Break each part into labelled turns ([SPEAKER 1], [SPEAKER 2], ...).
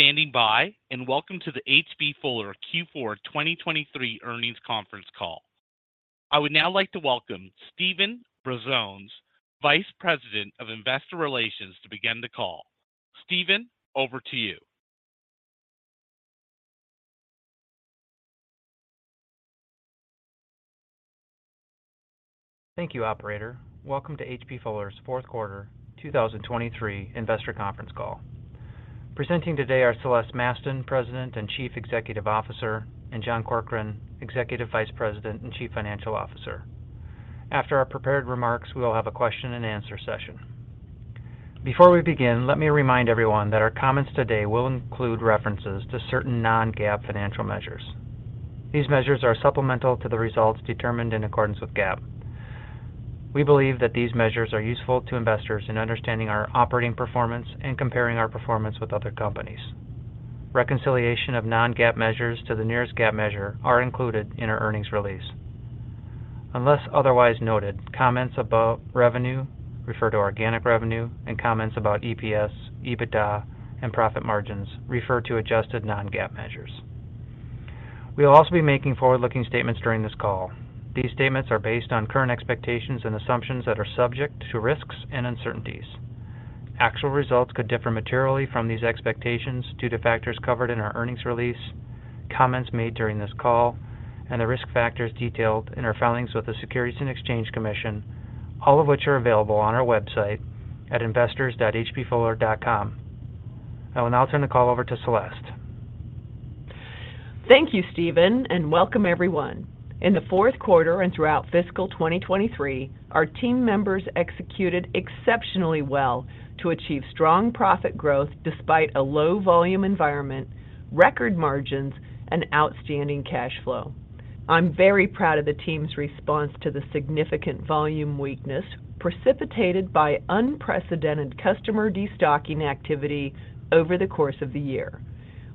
[SPEAKER 1] Stand by, and welcome to the H.B. Fuller Q4 2023 Earnings Conference Call. I would now like to welcome Steven Brazones, Vice President of Investor Relations, to begin the call. Steven, over to you.
[SPEAKER 2] Thank you, operator. Welcome to H.B. Fuller's Q4 2023 investor conference call. Presenting today are Celeste Mastin, President and Chief Executive Officer, and John Corkrean, Executive Vice President and Chief Financial Officer. After our prepared remarks, we will have a question-and-answer session. Before we begin, let me remind everyone that our comments today will include references to certain non-GAAP financial measures. These measures are supplemental to the results determined in accordance with GAAP. We believe that these measures are useful to investors in understanding our operating performance and comparing our performance with other companies. Reconciliation of non-GAAP measures to the nearest GAAP measure are included in our earnings release. Unless otherwise noted, comments about revenue refer to organic revenue, and comments about EPS, EBITDA, and profit margins refer to adjusted non-GAAP measures. We will also be making forward-looking statements during this call. These statements are based on current expectations and assumptions that are subject to risks and uncertainties. Actual results could differ materially from these expectations due to factors covered in our earnings release, comments made during this call, and the risk factors detailed in our filings with the Securities and Exchange Commission, all of which are available on our website at investors.hbfuller.com. I will now turn the call over to Celeste.
[SPEAKER 3] Thank you, Steven, and welcome everyone. In the Q4 and throughout fiscal 2023, our team members executed exceptionally well to achieve strong profit growth despite a low volume environment, record margins, and outstanding cash flow. I'm very proud of the team's response to the significant volume weakness precipitated by unprecedented customer destocking activity over the course of the year.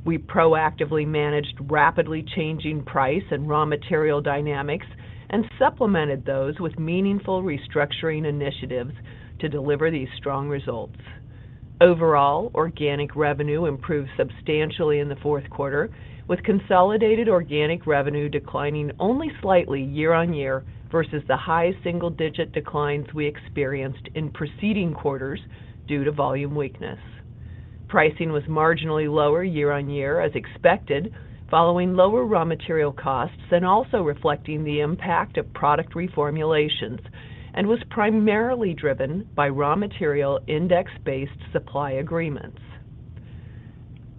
[SPEAKER 3] We proactively managed rapidly changing price and raw material dynamics and supplemented those with meaningful restructuring initiatives to deliver these strong results. Overall, organic revenue improved substantially in the Q4, with consolidated organic revenue declining only slightly year-on-year versus the high single-digit declines we experienced in preceding quarters due to volume weakness. Pricing was marginally lower year-on-year, as expected, following lower raw material costs and also reflecting the impact of product reformulations, and was primarily driven by raw material index-based supply agreements.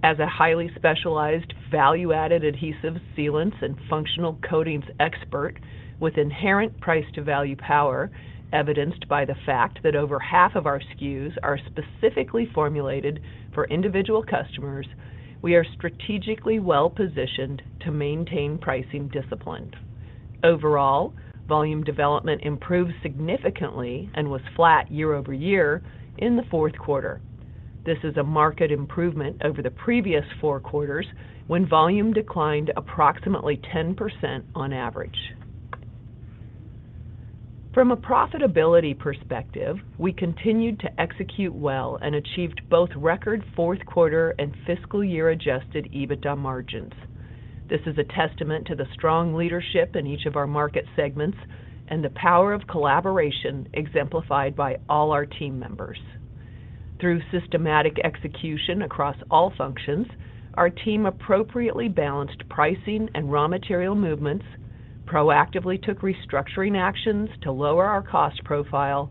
[SPEAKER 3] As a highly specialized, value-added adhesives, sealants, and functional coatings expert with inherent price to value power, evidenced by the fact that over half of our SKUs are specifically formulated for individual customers, we are strategically well-positioned to maintain pricing discipline. Overall, volume development improved significantly and was flat year-over-year in the Q4. This is a market improvement over the previous Q4, when volume declined approximately 10% on average. From a profitability perspective, we continued to execute well and achieved both record and fiscal year Adjusted EBITDA margins. This is a testament to the strong leadership in each of our market segments and the power of collaboration exemplified by all our team members. Through systematic execution across all functions, our team appropriately balanced pricing and raw material movements, proactively took restructuring actions to lower our cost profile,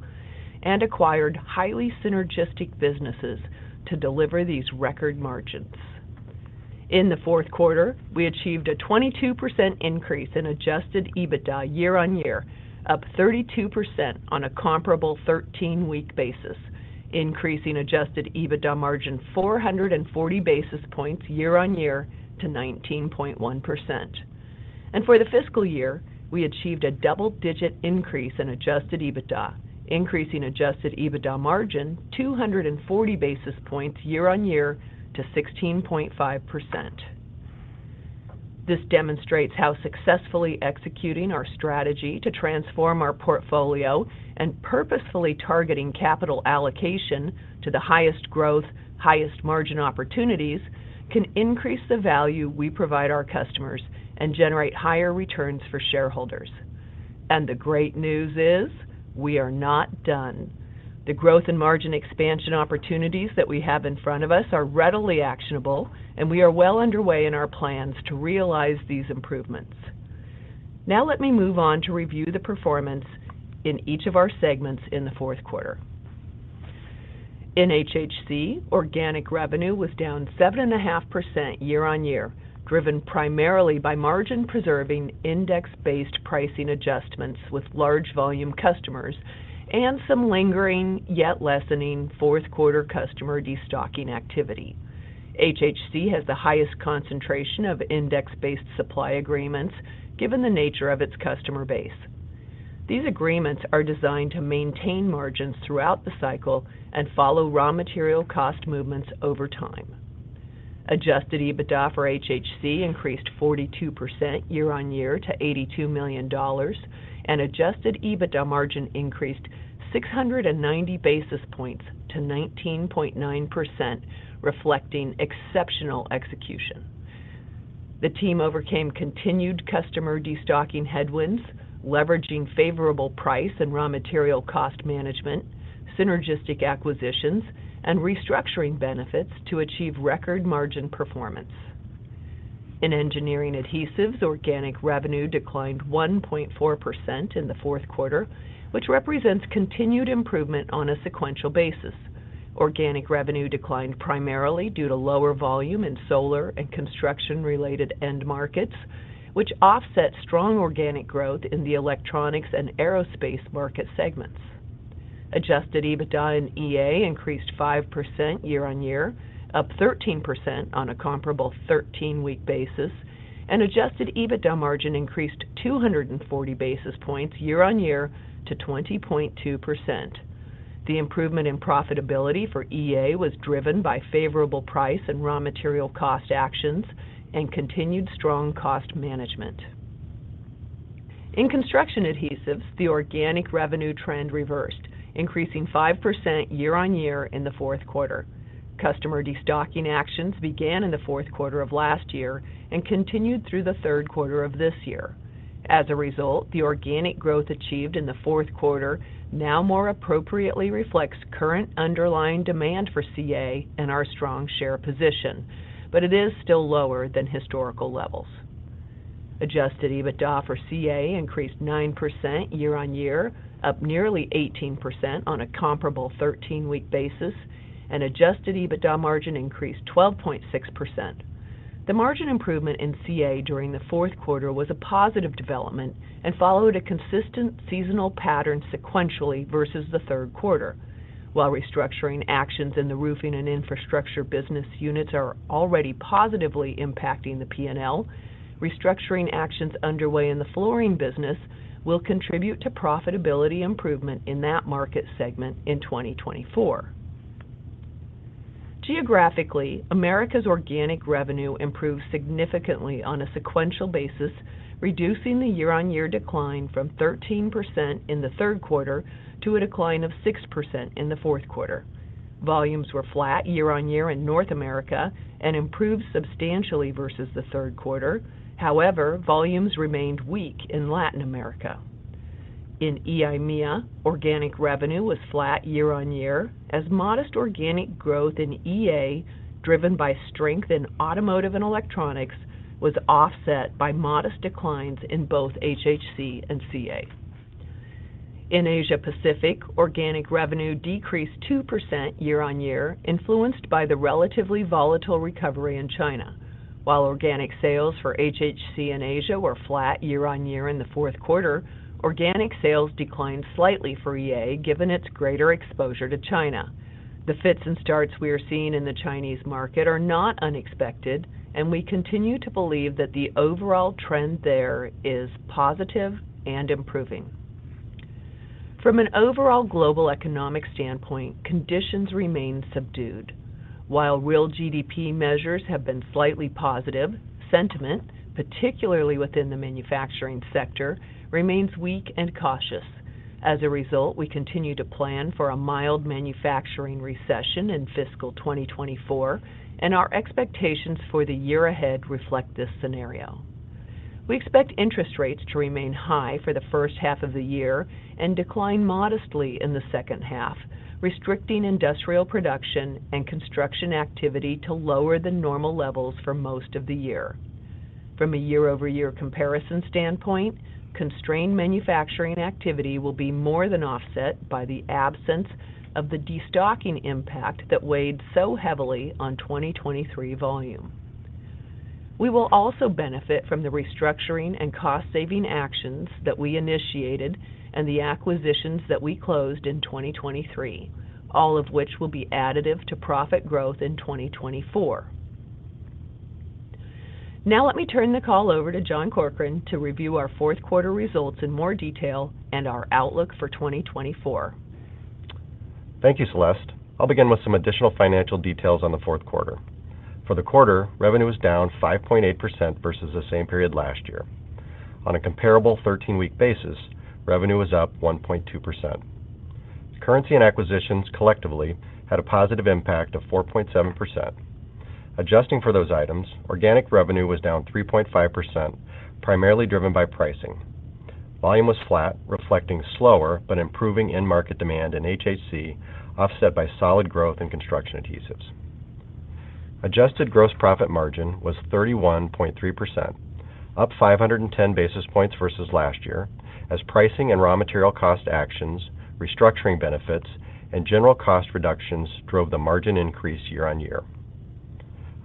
[SPEAKER 3] and acquired highly synergistic businesses to deliver these record margins. In the Q4, we achieved a 22% increase in adjusted EBITDA year-over-year, up 32% on a comparable 13-week basis, increasing adjusted EBITDA margin 440 basis points year-over-year to 19.1%. For the fiscal year, we achieved a double-digit increase in adjusted EBITDA, increasing adjusted EBITDA margin 240 basis points year-over-year to 16.5%. This demonstrates how successfully executing our strategy to transform our portfolio and purposefully targeting capital allocation to the highest growth, highest margin opportunities, can increase the value we provide our customers and generate higher returns for shareholders. The great news is, we are not done. The growth and margin expansion opportunities that we have in front of us are readily actionable, and we are well underway in our plans to realize these improvements. Now let me move on to review the performance in each of our segments in the Q4. In HHC, organic revenue was down 7.5% year-over-year, driven primarily by margin-preserving, index-based pricing adjustments with large volume customers and some lingering, yet lessening, Q4 customer destocking activity. HHC has the highest concentration of index-based supply agreements, given the nature of its customer base. These agreements are designed to maintain margins throughout the cycle and follow raw material cost movements over time. Adjusted EBITDA for HHC increased 42% year-on-year to $82 million, and adjusted EBITDA margin increased 690 basis points to 19.9%, reflecting exceptional execution. The team overcame continued customer destocking headwinds, leveraging favorable price and raw material cost management, synergistic acquisitions, and restructuring benefits to achieve record margin performance. In engineering adhesives, organic revenue declined 1.4% in the Q4, which represents continued improvement on a sequential basis. Organic revenue declined primarily due to lower volume in solar and construction-related end markets, which offset strong organic growth in the electronics and aerospace market segments. Adjusted EBITDA and EA increased 5% year-on-year, up 13% on a comparable 13-week basis, and adjusted EBITDA margin increased 240 basis points year-on-year to 20.2%. The improvement in profitability for EA was driven by favorable price and raw material cost actions and continued strong cost management. In construction adhesives, the organic revenue trend reversed, increasing 5% year-on-year in the Q4. Customer destocking actions began in the Q4 of last year and continued through the Q3 of this year. As a result, the organic growth achieved in the Q4 now more appropriately reflects current underlying demand for CA and our strong share position, but it is still lower than historical levels. Adjusted EBITDA for CA increased 9% year-on-year, up nearly 18% on a comparable 13-week basis, and adjusted EBITDA margin increased 12.6%. The margin improvement in CA during the Q4 was a positive development and followed a consistent seasonal pattern sequentially versus the Q3. While restructuring actions in the roofing and infrastructure business units are already positively impacting the P&L, restructuring actions underway in the flooring business will contribute to profitability improvement in that market segment in 2024. Geographically, Americas' organic revenue improved significantly on a sequential basis, reducing the year-on-year decline from 13% in the Q3 to a decline of 6% in the Q4. Volumes were flat year-on-year in North America and improved substantially versus the Q3. However, volumes remained weak in Latin America. In EIMEA, organic revenue was flat year-on-year, as modest organic growth in EA, driven by strength in automotive and electronics, was offset by modest declines in both HHC and CA. In Asia Pacific, organic revenue decreased 2% year-on-year, influenced by the relatively volatile recovery in China. While organic sales for HHC in Asia were flat year-on-year in the Q4, organic sales declined slightly for EA, given its greater exposure to China. The fits and starts we are seeing in the Chinese market are not unexpected, and we continue to believe that the overall trend there is positive and improving. From an overall global economic standpoint, conditions remain subdued. While real GDP measures have been slightly positive, sentiment, particularly within the manufacturing sector, remains weak and cautious. As a result, we continue to plan for a mild manufacturing recession in fiscal 2024, and our expectations for the year ahead reflect this scenario. We expect interest rates to remain high for the first half of the year and decline modestly in the second half, restricting industrial production and construction activity to lower than normal levels for most of the year. From a year-over-year comparison standpoint, constrained manufacturing activity will be more than offset by the absence of the destocking impact that weighed so heavily on 2023 volume. We will also benefit from the restructuring and cost-saving actions that we initiated and the acquisitions that we closed in 2023, all of which will be additive to profit growth in 2024. Now let me turn the call over to John Corkrean to review our Q4 results in more detail and our outlook for 2024.
[SPEAKER 4] Thank you, Celeste. I'll begin with some additional financial details on the Q4. For the quarter, revenue was down 5.8% versus the same period last year. On a comparable 13-week basis, revenue was up 1.2%. Currency and acquisitions collectively had a positive impact of 4.7%. Adjusting for those items, organic revenue was down 3.5%, primarily driven by pricing. Volume was flat, reflecting slower but improving end market demand in HHC, offset by solid growth in construction adhesives. Adjusted gross profit margin was 31.3%, up 510 basis points versus last year, as pricing and raw material cost actions, restructuring benefits, and general cost reductions drove the margin increase year-on-year.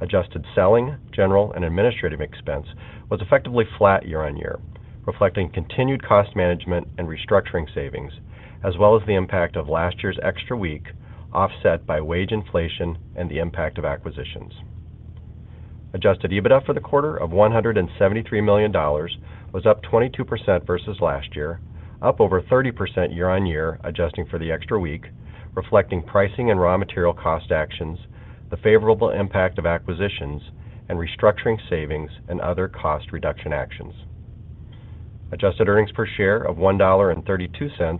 [SPEAKER 4] Adjusted selling, general, and administrative expense was effectively flat year-on-year, reflecting continued cost management and restructuring savings, as well as the impact of last year's extra week, offset by wage inflation and the impact of acquisitions. Adjusted EBITDA for the quarter of $173 million was up 22% versus last year, up over 30% year-on-year, adjusting for the extra week, reflecting pricing and raw material cost actions, the favorable impact of acquisitions, and restructuring savings and other cost reduction actions. Adjusted earnings per share of $1.32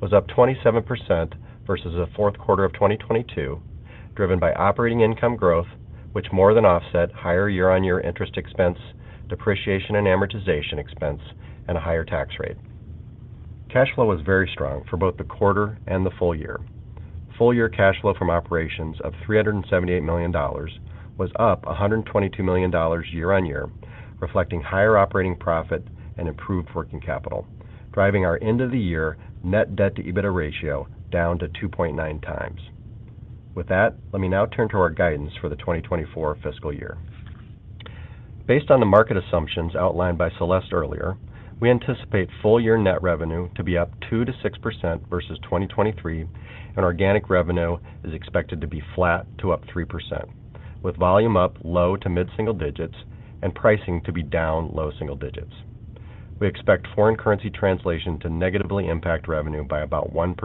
[SPEAKER 4] was up 27% versus the Q4 of 2022, driven by operating income growth, which more than offset higher year-on-year interest expense, depreciation and amortization expense, and a higher tax rate. Cash flow was very strong for both the quarter and the full year. Full year cash flow from operations of $378 million was up $122 million year-on-year, reflecting higher operating profit and improved working capital, driving our end of the year net debt to EBITDA ratio down to 2.9 times. With that, let me now turn to our guidance for the 2024 fiscal year. Based on the market assumptions outlined by Celeste earlier, we anticipate full year net revenue to be up 2%-6% versus 2023, and organic revenue is expected to be flat to up 3%, with volume up low to mid single digits and pricing to be down low single digits. We expect foreign currency translation to negatively impact revenue by about 1%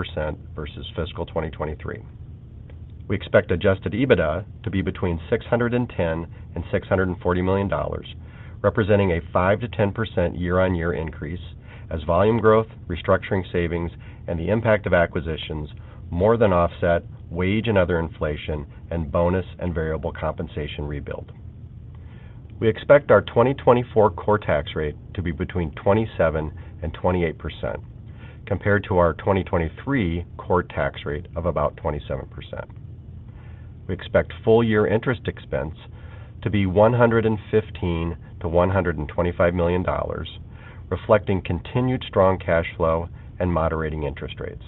[SPEAKER 4] versus fiscal 2023. We expect Adjusted EBITDA to be between $610 million and $640 million, representing a 5%-10% year-on-year increase as volume growth, restructuring savings, and the impact of acquisitions more than offset wage and other inflation and bonus and variable compensation rebuild. We expect our 2024 core tax rate to be between 27% and 28%, compared to our 2023 core tax rate of about 27%. We expect full year interest expense to be $115 million-$125 million, reflecting continued strong cash flow and moderating interest rates.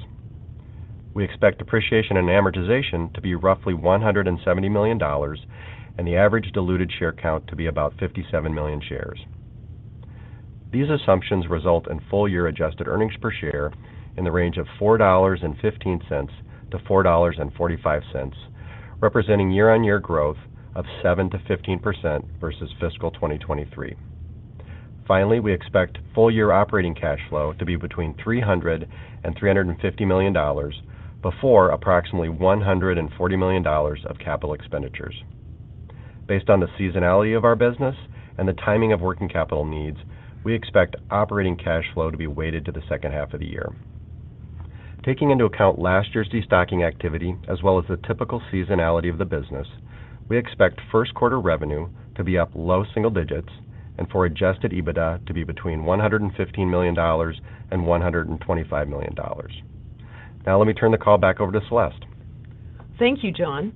[SPEAKER 4] We expect depreciation and amortization to be roughly $170 million, and the average diluted share count to be about 57 million shares. These assumptions result in full year adjusted earnings per share in the range of $4.15-$4.45, representing year-on-year growth of 7%-15% versus fiscal 2023. Finally, we expect full year operating cash flow to be between $300 million and $350 million before approximately $140 million of capital expenditures. Based on the seasonality of our business and the timing of working capital needs, we expect operating cash flow to be weighted to the second half of the year. Taking into account last year's destocking activity, as well as the typical seasonality of the business, we expect Q1 revenue to be up low single digits and for Adjusted EBITDA to be between $115 million and $125 million. Now, let me turn the call back over to Celeste.
[SPEAKER 3] Thank you, John.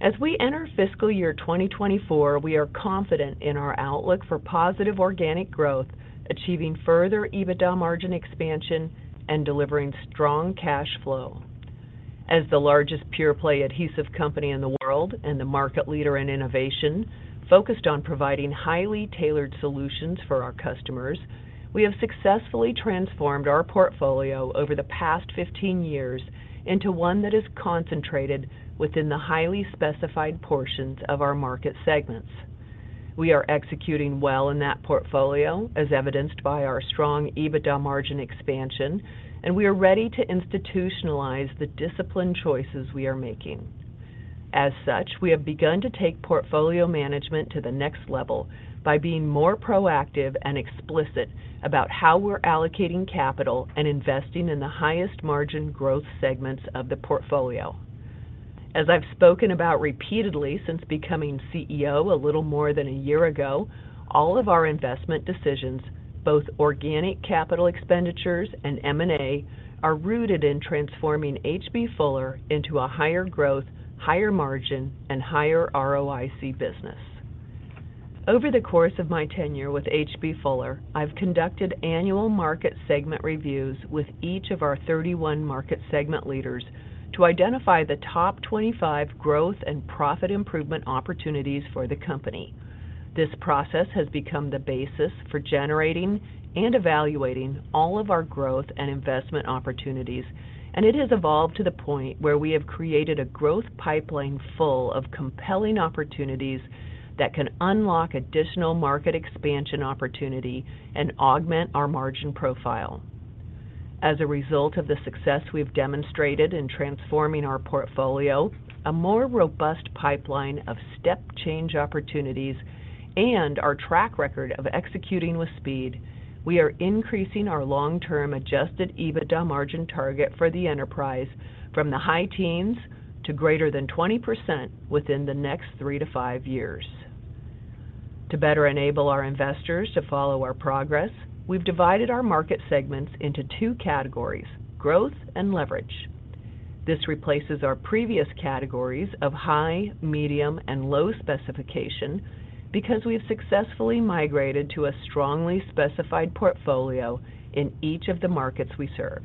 [SPEAKER 3] As we enter fiscal year 2024, we are confident in our outlook for positive organic growth, achieving further EBITDA margin expansion and delivering strong cash flow. As the largest pure play adhesive company in the world and the market leader in innovation, focused on providing highly tailored solutions for our customers, we have successfully transformed our portfolio over the past 15 years into one that is concentrated within the highly specified portions of our market segments. We are executing well in that portfolio, as evidenced by our strong EBITDA margin expansion, and we are ready to institutionalize the disciplined choices we are making. As such, we have begun to take portfolio management to the next level by being more proactive and explicit about how we're allocating capital and investing in the highest margin growth segments of the portfolio. As I've spoken about repeatedly since becoming CEO a little more than a year ago, all of our investment decisions, both organic capital expenditures and M&A, are rooted in transforming H.B. Fuller into a higher growth, higher margin, and higher ROIC business. Over the course of my tenure with H.B. Fuller, I've conducted annual market segment reviews with each of our thirty-one market segment leaders to identify the top 25 growth and profit improvement opportunities for the company. This process has become the basis for generating and evaluating all of our growth and investment opportunities, and it has evolved to the point where we have created a growth pipeline full of compelling opportunities that can unlock additional market expansion opportunity and augment our margin profile. As a result of the success we've demonstrated in transforming our portfolio, a more robust pipeline of step change opportunities and our track record of executing with speed, we are increasing our long-term Adjusted EBITDA margin target for the enterprise from the high teens to greater than 20% within the next 3-5 years. To better enable our investors to follow our progress, we've divided our market segments into two categories, growth and leverage. This replaces our previous categories of high, medium, and low specification, because we've successfully migrated to a strongly specified portfolio in each of the markets we serve.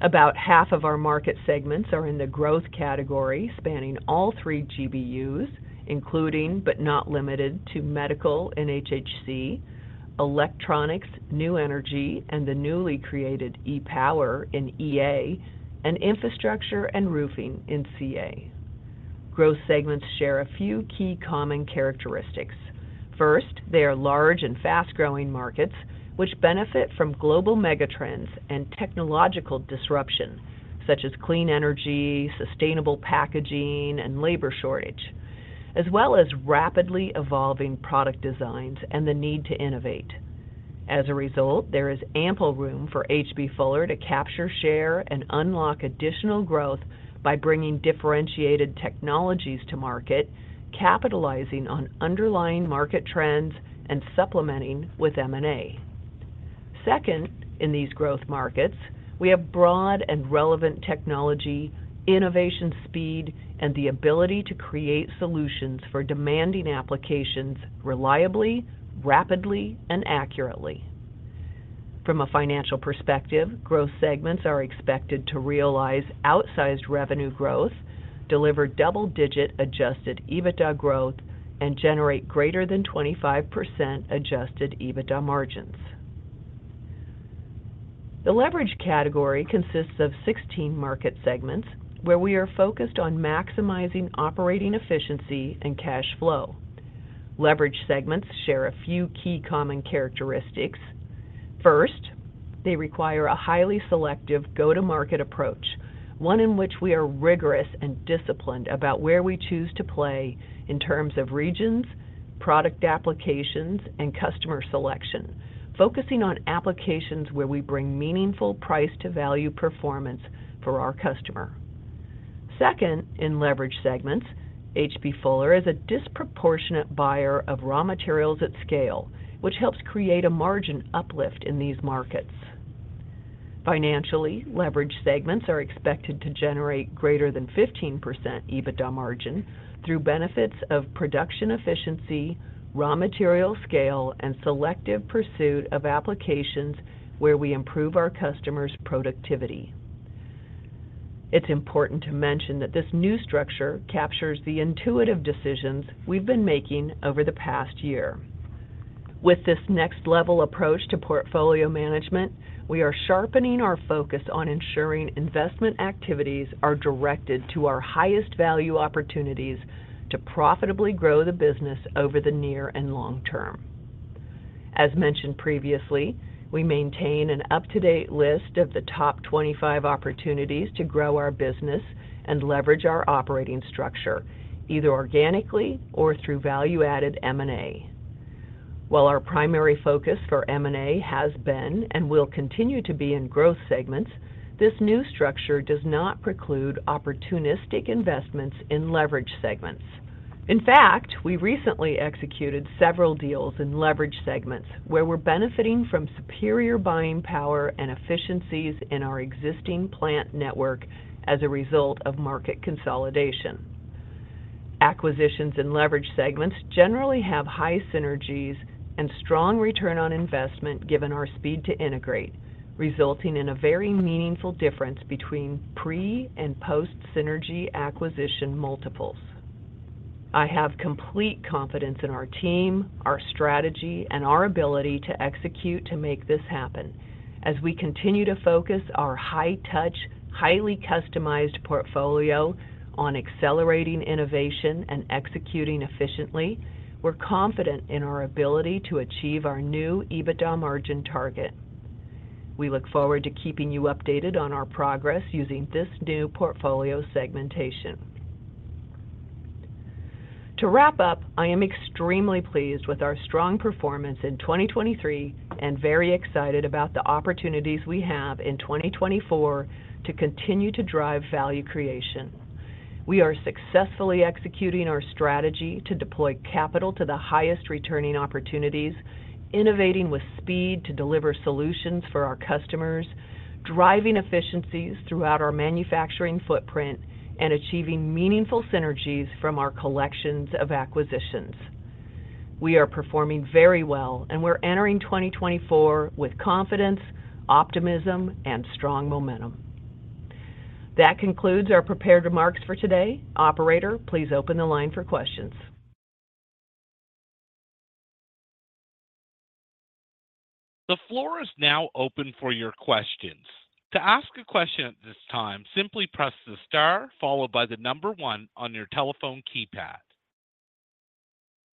[SPEAKER 3] About half of our market segments are in the growth category, spanning all three GBUs, including, but not limited to medical and HHC, electronics, new energy, and the newly created E-Power in EA, and infrastructure and roofing in CA. Growth segments share a few key common characteristics. First, they are large and fast-growing markets, which benefit from global megatrends and technological disruption, such as clean energy, sustainable packaging, and labor shortage... as well as rapidly evolving product designs and the need to innovate. As a result, there is ample room for H.B. Fuller to capture, share, and unlock additional growth by bringing differentiated technologies to market, capitalizing on underlying market trends, and supplementing with M&A. Second, in these growth markets, we have broad and relevant technology, innovation speed, and the ability to create solutions for demanding applications reliably, rapidly, and accurately. From a financial perspective, growth segments are expected to realize outsized revenue growth, deliver double-digit adjusted EBITDA growth, and generate greater than 25% adjusted EBITDA margins. The leverage category consists of 16 market segments, where we are focused on maximizing operating efficiency and cash flow. Leverage segments share a few key common characteristics. First, they require a highly selective go-to-market approach, one in which we are rigorous and disciplined about where we choose to play in terms of regions, product applications, and customer selection, focusing on applications where we bring meaningful price to value performance for our customer. Second, in leverage segments, H.B. Fuller is a disproportionate buyer of raw materials at scale, which helps create a margin uplift in these markets. Financially, leverage segments are expected to generate greater than 15% EBITDA margin through benefits of production efficiency, raw material scale, and selective pursuit of applications where we improve our customers' productivity. It's important to mention that this new structure captures the intuitive decisions we've been making over the past year. With this next-level approach to portfolio management, we are sharpening our focus on ensuring investment activities are directed to our highest value opportunities to profitably grow the business over the near and long term. As mentioned previously, we maintain an up-to-date list of the top 25 opportunities to grow our business and leverage our operating structure, either organically or through value-added M&A. While our primary focus for M&A has been and will continue to be in growth segments, this new structure does not preclude opportunistic investments in leverage segments. In fact, we recently executed several deals in leverage segments, where we're benefiting from superior buying power and efficiencies in our existing plant network as a result of market consolidation. Acquisitions and leverage segments generally have high synergies and strong return on investment, given our speed to integrate, resulting in a very meaningful difference between pre and post synergy acquisition multiples. I have complete confidence in our team, our strategy, and our ability to execute to make this happen. As we continue to focus our high-touch, highly customized portfolio on accelerating innovation and executing efficiently, we're confident in our ability to achieve our new EBITDA margin target. We look forward to keeping you updated on our progress using this new portfolio segmentation. To wrap up, I am extremely pleased with our strong performance in 2023 and very excited about the opportunities we have in 2024 to continue to drive value creation. We are successfully executing our strategy to deploy capital to the highest returning opportunities, innovating with speed to deliver solutions for our customers, driving efficiencies throughout our manufacturing footprint, and achieving meaningful synergies from our collections of acquisitions. We are performing very well, and we're entering 2024 with confidence, optimism, and strong momentum. That concludes our prepared remarks for today. Operator, please open the line for questions.
[SPEAKER 1] The floor is now open for your questions. To ask a question at this time, simply press the star followed by the number one on your telephone keypad.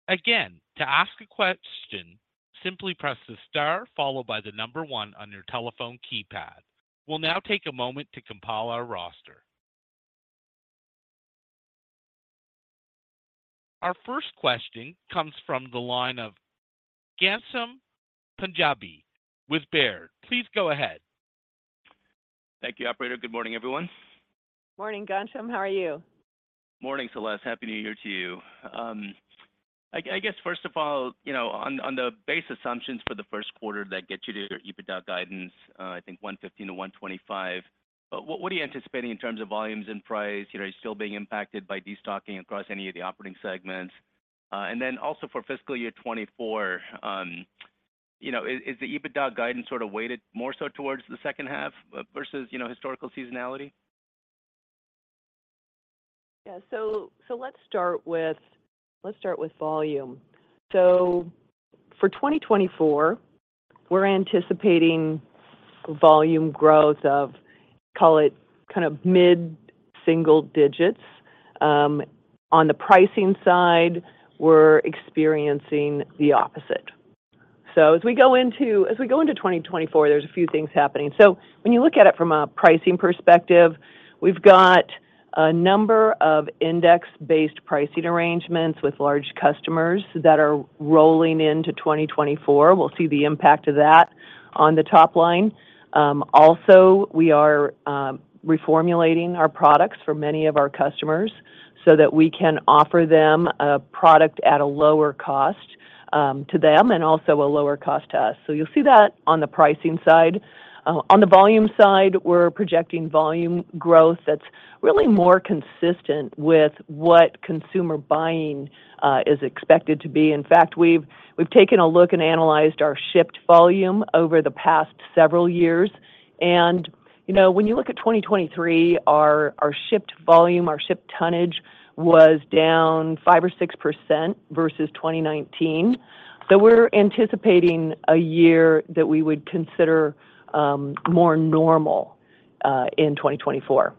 [SPEAKER 1] Again, to ask a question, simply press the star followed by the number one on your telephone keypad. We'll now take a moment to compile our roster. Our first question comes from the line of Ghansham Panjabi with Baird. Please go ahead.
[SPEAKER 5] Thank you, operator. Good morning, everyone.
[SPEAKER 3] Morning, Ghansham. How are you?
[SPEAKER 5] Morning, Celeste. Happy New Year to you. I guess first of all, you know, on the base assumptions for the Q1 that get you to your EBITDA guidance, I think $115-$125, what are you anticipating in terms of volumes and price? Are you still being impacted by destocking across any of the operating segments? And then also for fiscal year 2024, you know, is the EBITDA guidance sort of weighted more so towards the second half versus, you know, historical seasonality?
[SPEAKER 3] Yeah. So let's start with volume. So for 2024, we're anticipating volume growth of, call it, kind of mid-single digits. On the pricing side, we're experiencing the opposite. So as we go into 2024, there's a few things happening. So when you look at it from a pricing perspective, we've got a number of index-based pricing arrangements with large customers that are rolling into 2024. We'll see the impact of that on the top line. Also, we are reformulating our products for many of our customers so that we can offer them a product at a lower cost to them and also a lower cost to us. So you'll see that on the pricing side. On the volume side, we're projecting volume growth that's really more consistent with what consumer buying is expected to be. In fact, we've taken a look and analyzed our shipped volume over the past several years, and, you know, when you look at 2023, our shipped volume, our shipped tonnage was down five percent or six percent versus 2019. So we're anticipating a year that we would consider more normal in 2024.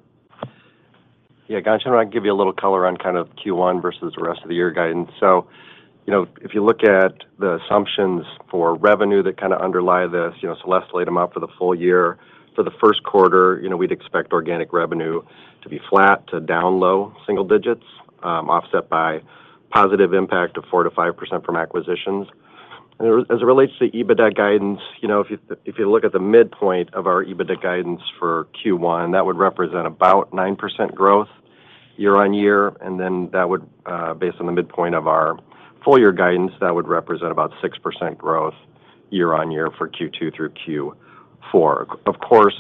[SPEAKER 4] Yeah, Ghansham, I can give you a little color on kind of Q1 versus the rest of the year guidance. So, you know, if you look at the assumptions for revenue that kind of underlie this, you know, Celeste laid them out for the full year. For the Q1, you know, we'd expect organic revenue to be flat to down low single digits, offset by positive impact of 4%-5% from acquisitions. And as it relates to EBITDA guidance, you know, if you, if you look at the midpoint of our EBITDA guidance for Q1, that would represent about 9% growth year-on-year, and then that would, based on the midpoint of our full year guidance, that would represent about 6% growth year-on-year for Q2 through Q4. Of course,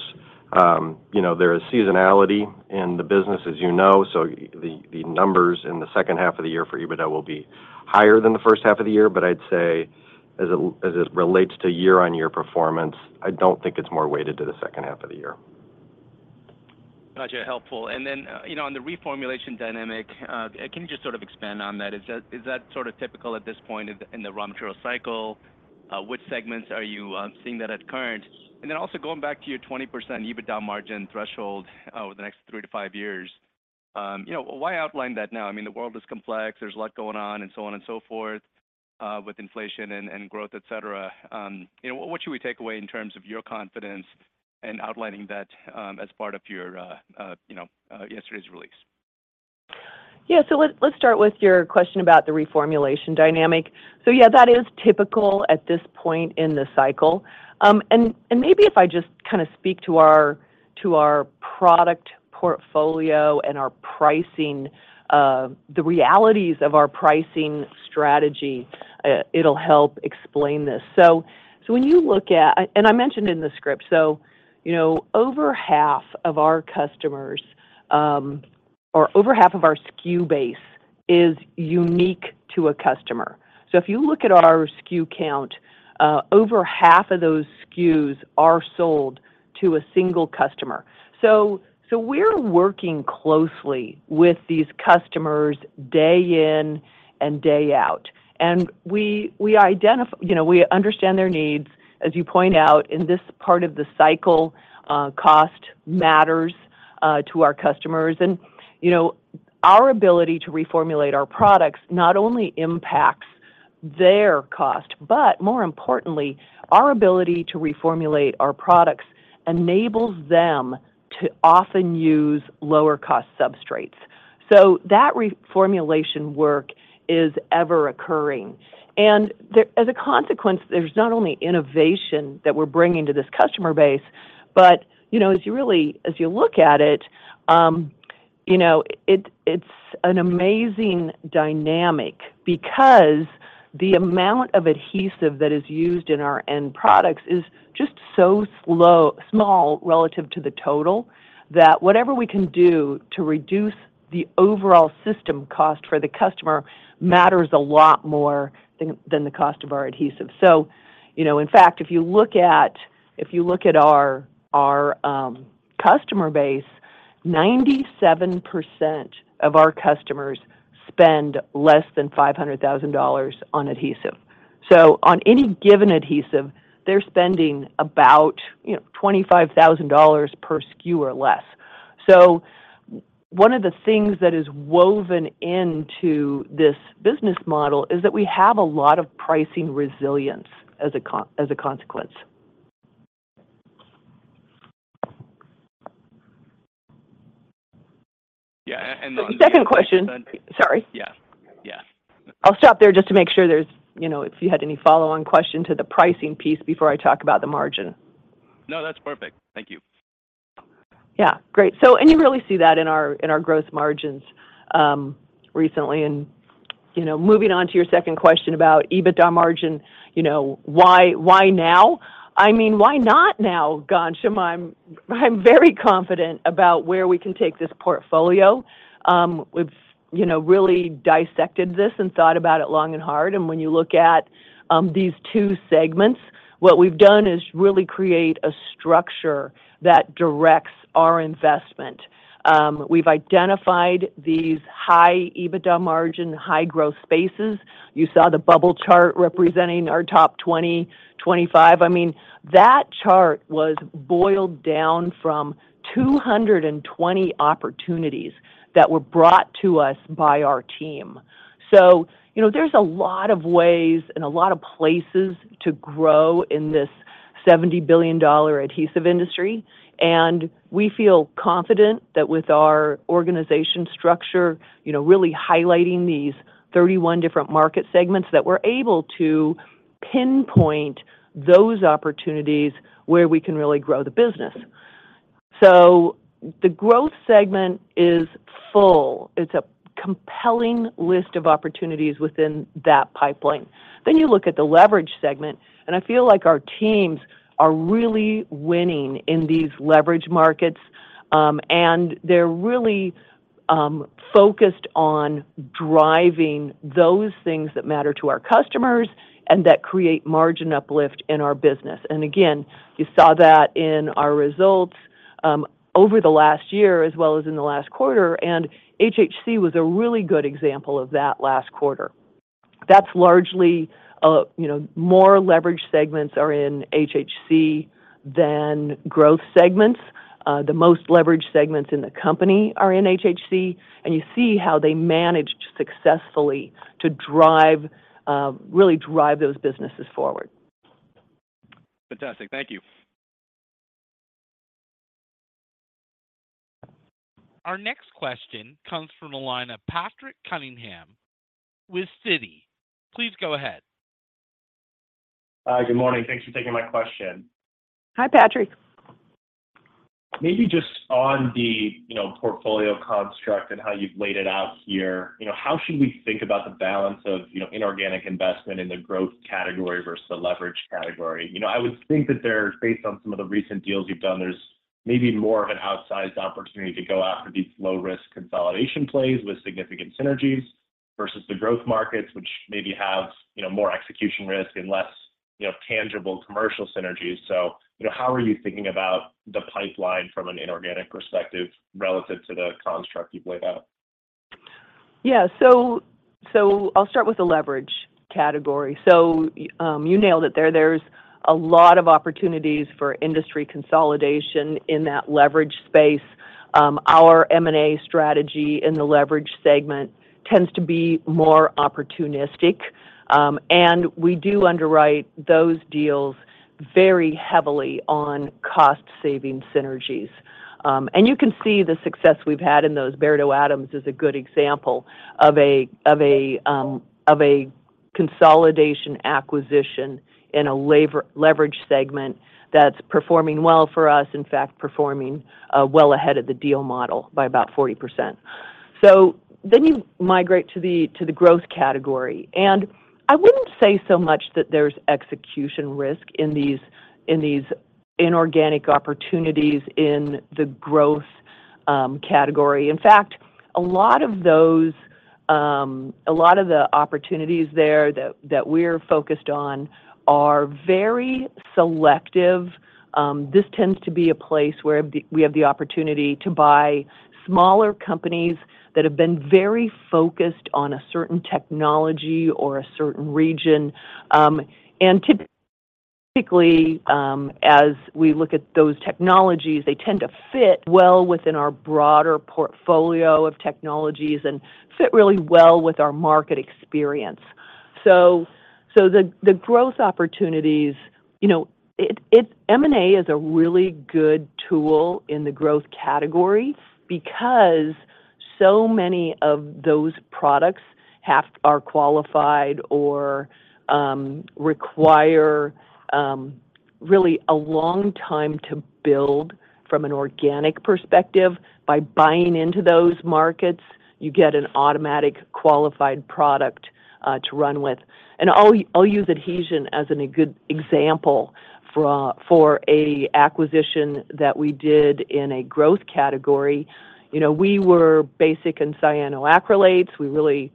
[SPEAKER 4] you know, there is seasonality in the business, as you know, so the numbers in the second half of the year for EBITDA will be higher than the first half of the year, but I'd say as it relates to year-on-year performance, I don't think it's more weighted to the second half of the year.
[SPEAKER 5] Gotcha. Helpful. And then, you know, on the reformulation dynamic, can you just sort of expand on that? Is that, is that sort of typical at this point in the, in the raw material cycle? Which segments are you seeing that at current? And then also going back to your 20% EBITDA margin threshold, over the next 3-5 years, you know, why outline that now? I mean, the world is complex, there's a lot going on and so on and so forth, with inflation and, and growth, et cetera. You know, what should we take away in terms of your confidence in outlining that, as part of your, you know, yesterday's release?
[SPEAKER 3] Yeah. So let's start with your question about the reformulation dynamic. So yeah, that is typical at this point in the cycle. And maybe if I just kind of speak to our product portfolio and our pricing, the realities of our pricing strategy, it'll help explain this. So when you look at... And I mentioned in the script, so you know, over half of our customers, or over half of our SKU base is unique to a customer. So if you look at our SKU count, over half of those SKUs are sold to a single customer. So we're working closely with these customers day in and day out, and we identify, you know, we understand their needs. As you point out, in this part of the cycle, cost matters to our customers. You know, our ability to reformulate our products not only impacts their cost, but more importantly, our ability to reformulate our products enables them to often use lower cost substrates. That reformulation work is ever occurring. There, as a consequence, there's not only innovation that we're bringing to this customer base, but, you know, as you really, as you look at it, you know, it's an amazing dynamic because the amount of adhesive that is used in our end products is just so small, relative to the total, that whatever we can do to reduce the overall system cost for the customer matters a lot more than the cost of our adhesive. So, you know, in fact, if you look at our customer base, 97% of our customers spend less than $500,000 on adhesive. So on any given adhesive, they're spending about, you know, $25,000 per SKU or less. So one of the things that is woven into this business model is that we have a lot of pricing resilience as a consequence.
[SPEAKER 4] Yeah, and on-
[SPEAKER 3] The second question... Sorry.
[SPEAKER 4] Yeah. Yeah.
[SPEAKER 3] I'll stop there just to make sure there's, you know, if you had any follow-on question to the pricing piece before I talk about the margin.
[SPEAKER 4] No, that's perfect. Thank you.
[SPEAKER 3] Yeah, great. You really see that in our growth margins recently. You know, moving on to your second question about EBITDA margin, you know, why, why now? I mean, why not now, Ghansham? I'm very confident about where we can take this portfolio. We've, you know, really dissected this and thought about it long and hard, and when you look at these two segments, what we've done is really create a structure that directs our investment. We've identified these high EBITDA margin, high growth spaces. You saw the bubble chart representing our top 20-25. I mean, that chart was boiled down from 220 opportunities that were brought to us by our team. So you know, there's a lot of ways and a lot of places to grow in this-... $70 billion adhesive industry, and we feel confident that with our organization structure, you know, really highlighting these 31 different market segments, that we're able to pinpoint those opportunities where we can really grow the business. So the growth segment is full. It's a compelling list of opportunities within that pipeline. Then you look at the leverage segment, and I feel like our teams are really winning in these leverage markets, and they're really focused on driving those things that matter to our customers and that create margin uplift in our business. And again, you saw that in our results, over the last year, as well as in the last quarter, and HHC was a really good example of that last quarter. That's largely, you know, more leverage segments are in HHC than growth segments. The most leverage segments in the company are in HHC, and you see how they managed successfully to drive, really drive those businesses forward.
[SPEAKER 5] Fantastic. Thank you.
[SPEAKER 1] Our next question comes from the line of Patrick Cunningham with Citi. Please go ahead.
[SPEAKER 6] Hi, good morning. Thanks for taking my question.
[SPEAKER 3] Hi, Patrick.
[SPEAKER 6] Maybe just on the, you know, portfolio construct and how you've laid it out here, you know, how should we think about the balance of, you know, inorganic investment in the growth category versus the leverage category? You know, I would think that there, based on some of the recent deals you've done, there's maybe more of an outsized opportunity to go after these low-risk consolidation plays with significant synergies versus the growth markets, which maybe have, you know, more execution risk and less, you know, tangible commercial synergies. So, you know, how are you thinking about the pipeline from an inorganic perspective relative to the construct you've laid out?
[SPEAKER 3] Yeah. So I'll start with the leverage category. So, you nailed it there. There's a lot of opportunities for industry consolidation in that leverage space. Our M&A strategy in the leverage segment tends to be more opportunistic, and we do underwrite those deals very heavily on cost-saving synergies. And you can see the success we've had in those. Beardow Adams is a good example of a consolidation acquisition in a labor-leverage segment that's performing well for us, in fact, performing well ahead of the deal model by about 40%. So then you migrate to the growth category, and I wouldn't say so much that there's execution risk in these inorganic opportunities in the growth category. In fact, a lot of the opportunities there that we're focused on are very selective. This tends to be a place where we have the opportunity to buy smaller companies that have been very focused on a certain technology or a certain region. And typically, as we look at those technologies, they tend to fit well within our broader portfolio of technologies and fit really well with our market experience. The growth opportunities, you know, M&A is a really good tool in the growth category because so many of those products are qualified or require really a long time to build from an organic perspective. By buying into those markets, you get an automatic qualified product to run with. I'll use Adhezion as a good example for a acquisition that we did in a growth category. You know, we were basic in cyanoacrylates. We really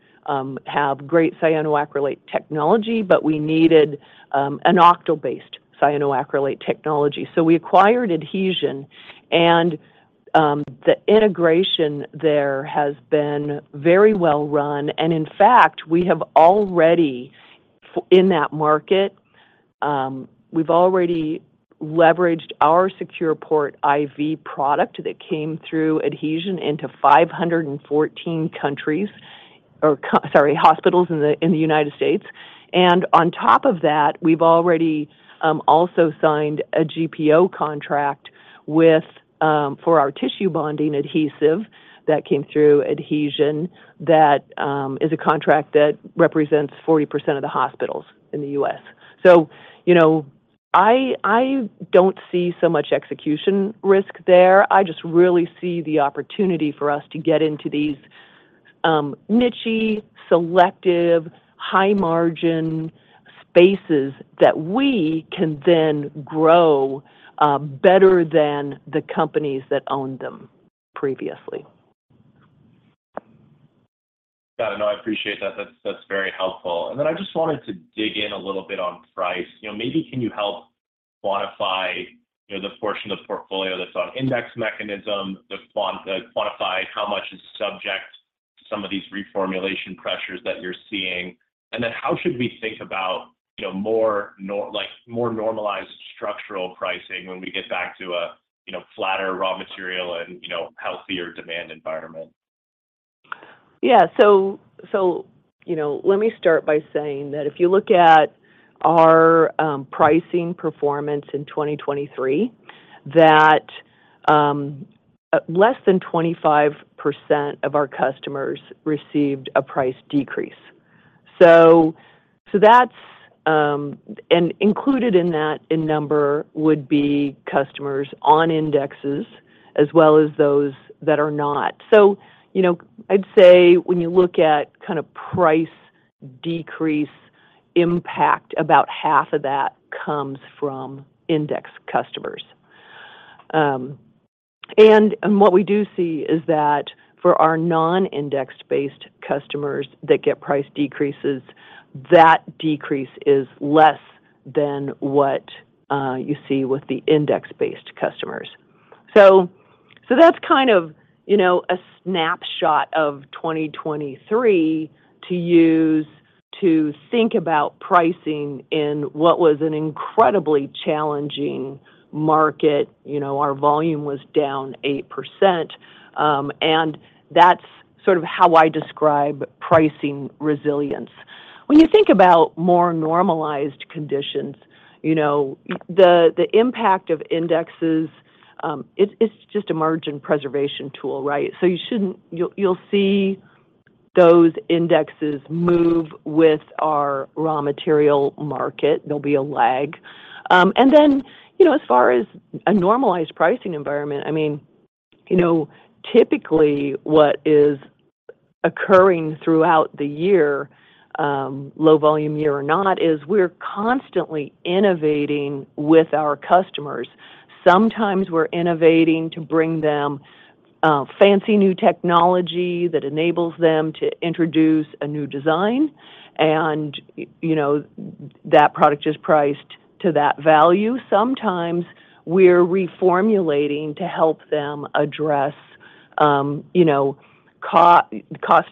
[SPEAKER 3] have great cyanoacrylate technology, but we needed an octyl-based cyanoacrylate technology. So we acquired Adhezion, and the integration there has been very well run, and in fact, we have already in that market, we've already leveraged our Secure Port IV product that came through Adhezion into 514 hospitals in the United States. And on top of that, we've already also signed a GPO contract for our tissue bonding adhesive that came through Adhesion. That is a contract that represents 40% of the hospitals in the U.S. So, you know, I don't see so much execution risk there. I just really see the opportunity for us to get into these, nichey, selective, high-margin spaces that we can then grow, better than the companies that owned them previously.
[SPEAKER 6] Got it. No, I appreciate that. That's, that's very helpful. And then I just wanted to dig in a little bit on price. You know, maybe can you help quantify, you know, the portion of the portfolio that's on index mechanism, to quantify how much is subject to some of these reformulation pressures that you're seeing? And then how should we think about, you know, like, more normalized structural pricing when we get back to a, you know, flatter raw material and, you know, healthier demand environment? ...
[SPEAKER 3] Yeah. So, you know, let me start by saying that if you look at our pricing performance in 2023, that less than 25% of our customers received a price decrease. So, that's and included in that, in number would be customers on indexes as well as those that are not. So, you know, I'd say when you look at kind of price decrease impact, about half of that comes from index customers. And what we do see is that for our non-indexed-based customers that get price decreases, that decrease is less than what you see with the index-based customers. So, that's kind of, you know, a snapshot of 2023 to use to think about pricing in what was an incredibly challenging market. You know, our volume was down 8%, and that's sort of how I describe pricing resilience. When you think about more normalized conditions, you know, the impact of indexes, it's just a margin preservation tool, right? So you'll see those indexes move with our raw material market. There'll be a lag. And then, you know, as far as a normalized pricing environment, I mean, you know, typically what is occurring throughout the year, low volume year or not, is we're constantly innovating with our customers. Sometimes we're innovating to bring them fancy new technology that enables them to introduce a new design, and you know, that product is priced to that value. Sometimes we're reformulating to help them address you know cost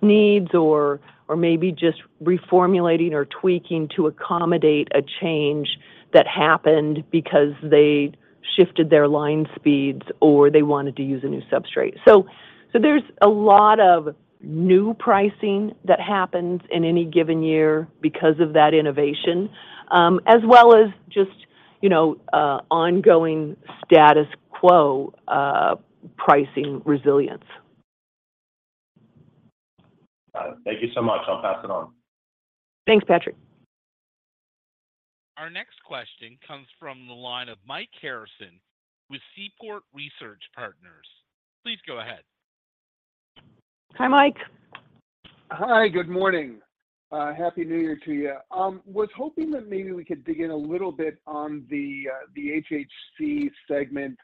[SPEAKER 3] needs or maybe just reformulating or tweaking to accommodate a change that happened because they shifted their line speeds or they wanted to use a new substrate. So there's a lot of new pricing that happens in any given year because of that innovation as well as just you know ongoing status quo pricing resilience.
[SPEAKER 6] Got it. Thank you so much. I'll pass it on.
[SPEAKER 3] Thanks, Patrick.
[SPEAKER 1] Our next question comes from the line of Mike Harrison with Seaport Research Partners. Please go ahead.
[SPEAKER 3] Hi, Mike.
[SPEAKER 7] Hi, good morning. Happy New Year to you. Was hoping that maybe we could dig in a little bit on the, the HHC segment.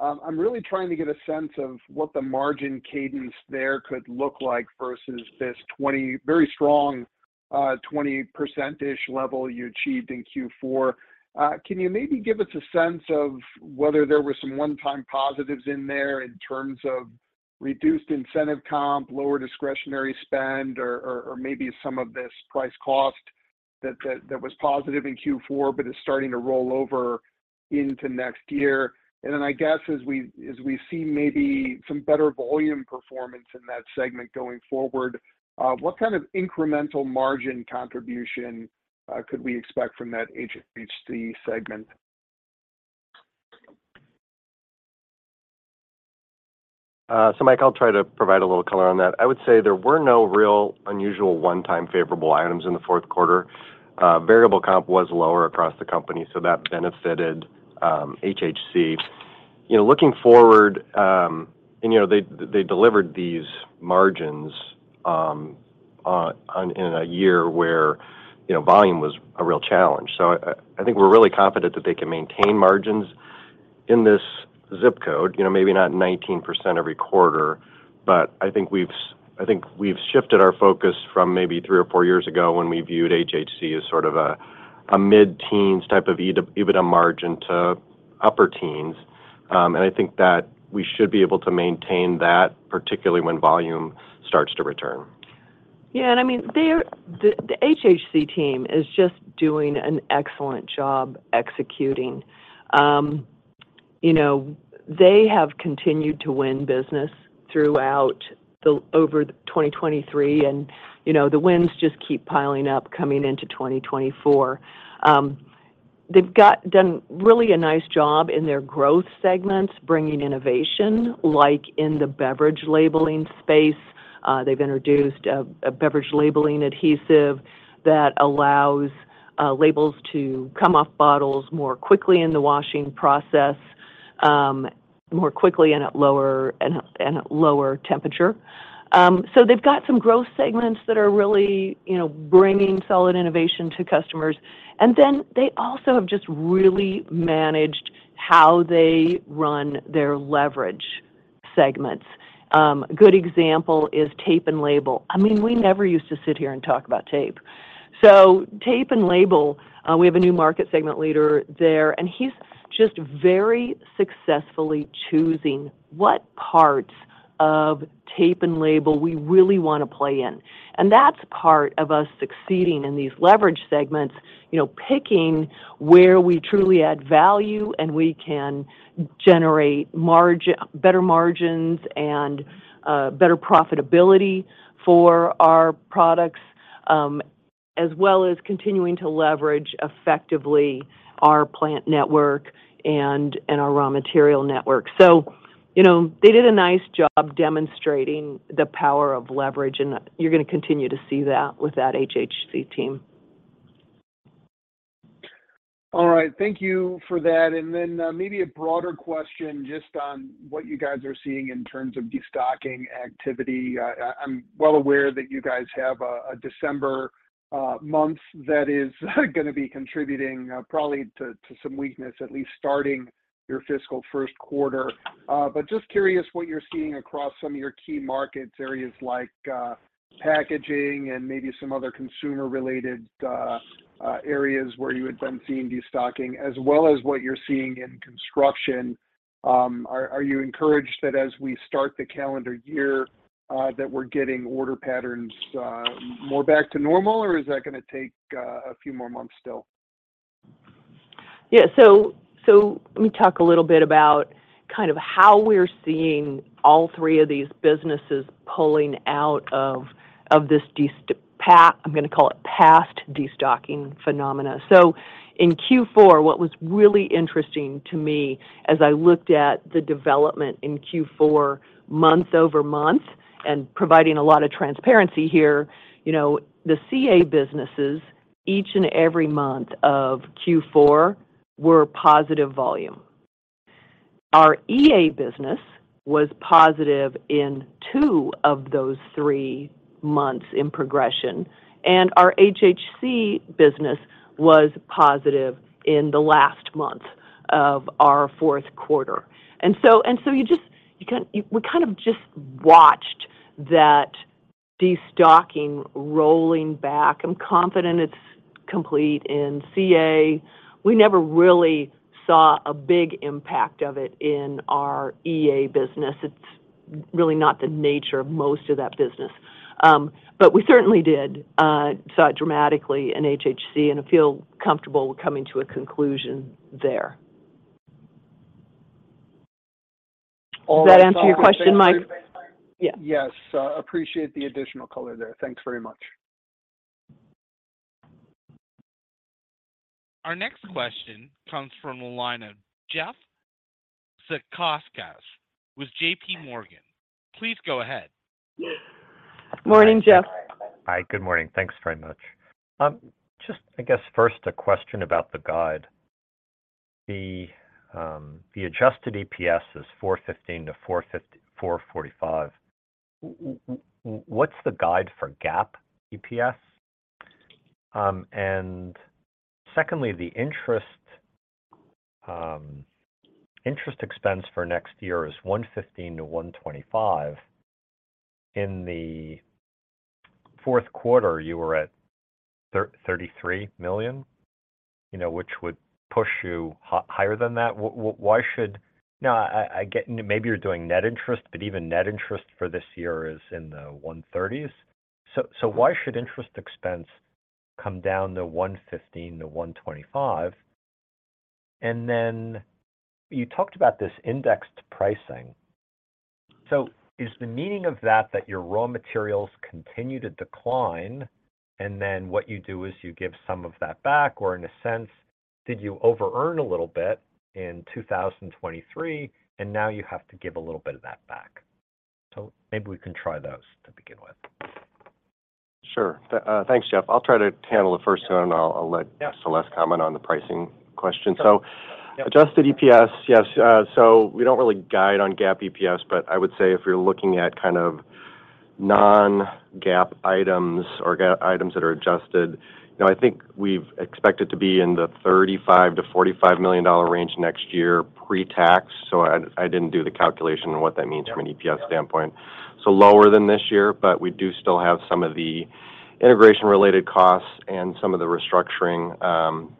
[SPEAKER 7] I'm really trying to get a sense of what the margin cadence there could look like versus this 20... very strong, 20%-ish level you achieved in Q4. Can you maybe give us a sense of whether there were some one-time positives in there in terms of reduced incentive comp, lower discretionary spend, or maybe some of this price cost that was positive in Q4 but is starting to roll over into next year? And then I guess as we see maybe some better volume performance in that segment going forward, what kind of incremental margin contribution could we expect from that HHC segment?
[SPEAKER 4] So Mike, I'll try to provide a little color on that. I would say there were no real unusual one-time favorable items in the Q4. Variable comp was lower across the company, so that benefited HHC. You know, looking forward, and you know, they delivered these margins in a year where, you know, volume was a real challenge. So I think we're really confident that they can maintain margins in this ZIP code. You know, maybe not 19% every quarter, but I think we've shifted our focus from maybe three or four years ago, when we viewed HHC as sort of a mid-teens type of EBITDA margin to upper teens. And I think that we should be able to maintain that, particularly when volume starts to return.
[SPEAKER 3] Yeah, and I mean, they're the HHC team is just doing an excellent job executing. You know, they have continued to win business throughout over 2023, and, you know, the wins just keep piling up coming into 2024. They've done really a nice job in their growth segments, bringing innovation, like in the beverage labeling space. They've introduced a beverage labeling adhesive that allows labels to come off bottles more quickly in the washing process, more quickly and at lower temperature. So they've got some growth segments that are really, you know, bringing solid innovation to customers, and then they also have just really managed how they run their leverage segments. Good example is tape and label. I mean, we never used to sit here and talk about tape. So tape and label, we have a new market segment leader there, and he's just very successfully choosing what parts of tape and label we really want to play in. And that's part of us succeeding in these leverage segments, you know, picking where we truly add value, and we can generate margin, better margins and, better profitability for our products, as well as continuing to leverage effectively our plant network and our raw material network. So, you know, they did a nice job demonstrating the power of leverage, and you're going to continue to see that with that HHC team.
[SPEAKER 7] All right. Thank you for that. Maybe a broader question just on what you guys are seeing in terms of destocking activity. I'm well aware that you guys have a December month that is going to be contributing probably to some weakness, at least starting your fiscal Q1. But just curious what you're seeing across some of your key markets, areas like packaging and maybe some other consumer-related areas where you had been seeing destocking, as well as what you're seeing in construction. Are you encouraged that as we start the calendar year, that we're getting order patterns more back to normal? Or is that gonna take a few more months still?
[SPEAKER 3] Yeah. So let me talk a little bit about kind of how we're seeing all three of these businesses pulling out of this destocking. I'm gonna call it past destocking phenomena. So in Q4, what was really interesting to me as I looked at the development in Q4 month-over-month, and providing a lot of transparency here, you know, the CA businesses, each and every month of Q4, were positive volume. Our EA business was positive in two of those three months in progression, and our HHC business was positive in the last month of our Q4. And so you just kind of just watched that destocking rolling back. I'm confident it's complete in CA. We never really saw a big impact of it in our EA business. It's really not the nature of most of that business. But we certainly did see it dramatically in HHC, and I feel comfortable coming to a conclusion there.
[SPEAKER 7] All-
[SPEAKER 3] Does that answer your question, Mike?
[SPEAKER 7] Thanks.
[SPEAKER 3] Yeah.
[SPEAKER 7] Yes. Appreciate the additional color there. Thanks very much.
[SPEAKER 1] Our next question comes from the line of Jeff Zekauskas with JP Morgan. Please go ahead.
[SPEAKER 3] Morning, Jeff.
[SPEAKER 8] Hi. Good morning. Thanks very much. Just, I guess, first, a question about the guide. The adjusted EPS is $4.15-$4.45. What's the guide for GAAP EPS? And secondly, the interest expense for next year is $115 million-$125 million. In the Q4, you were at $33 million, you know, which would push you higher than that. Why should... Now, I get maybe you're doing net interest, but even net interest for this year is in the $130s. So why should interest expense come down to $115 million-$125 million? And then you talked about this indexed pricing. So is the meaning of that that your raw materials continue to decline, and then what you do is you give some of that back? Or in a sense, did you overearn a little bit in 2023, and now you have to give a little bit of that back? So maybe we can try those to begin with.
[SPEAKER 4] Sure. Thanks, Jeff. I'll try to handle the first one, and I'll let-
[SPEAKER 8] Yeah
[SPEAKER 4] - Celeste comment on the pricing question.
[SPEAKER 8] Sure.
[SPEAKER 4] So adjusted EPS, yes, so we don't really guide on GAAP EPS, but I would say if you're looking at kind of non-GAAP items or GAAP items that are adjusted, you know, I think we've expected to be in the $35-$45 million range next year, pre-tax. So I didn't do the calculation on what that means from an EPS standpoint. So lower than this year, but we do still have some of the integration-related costs and some of the restructuring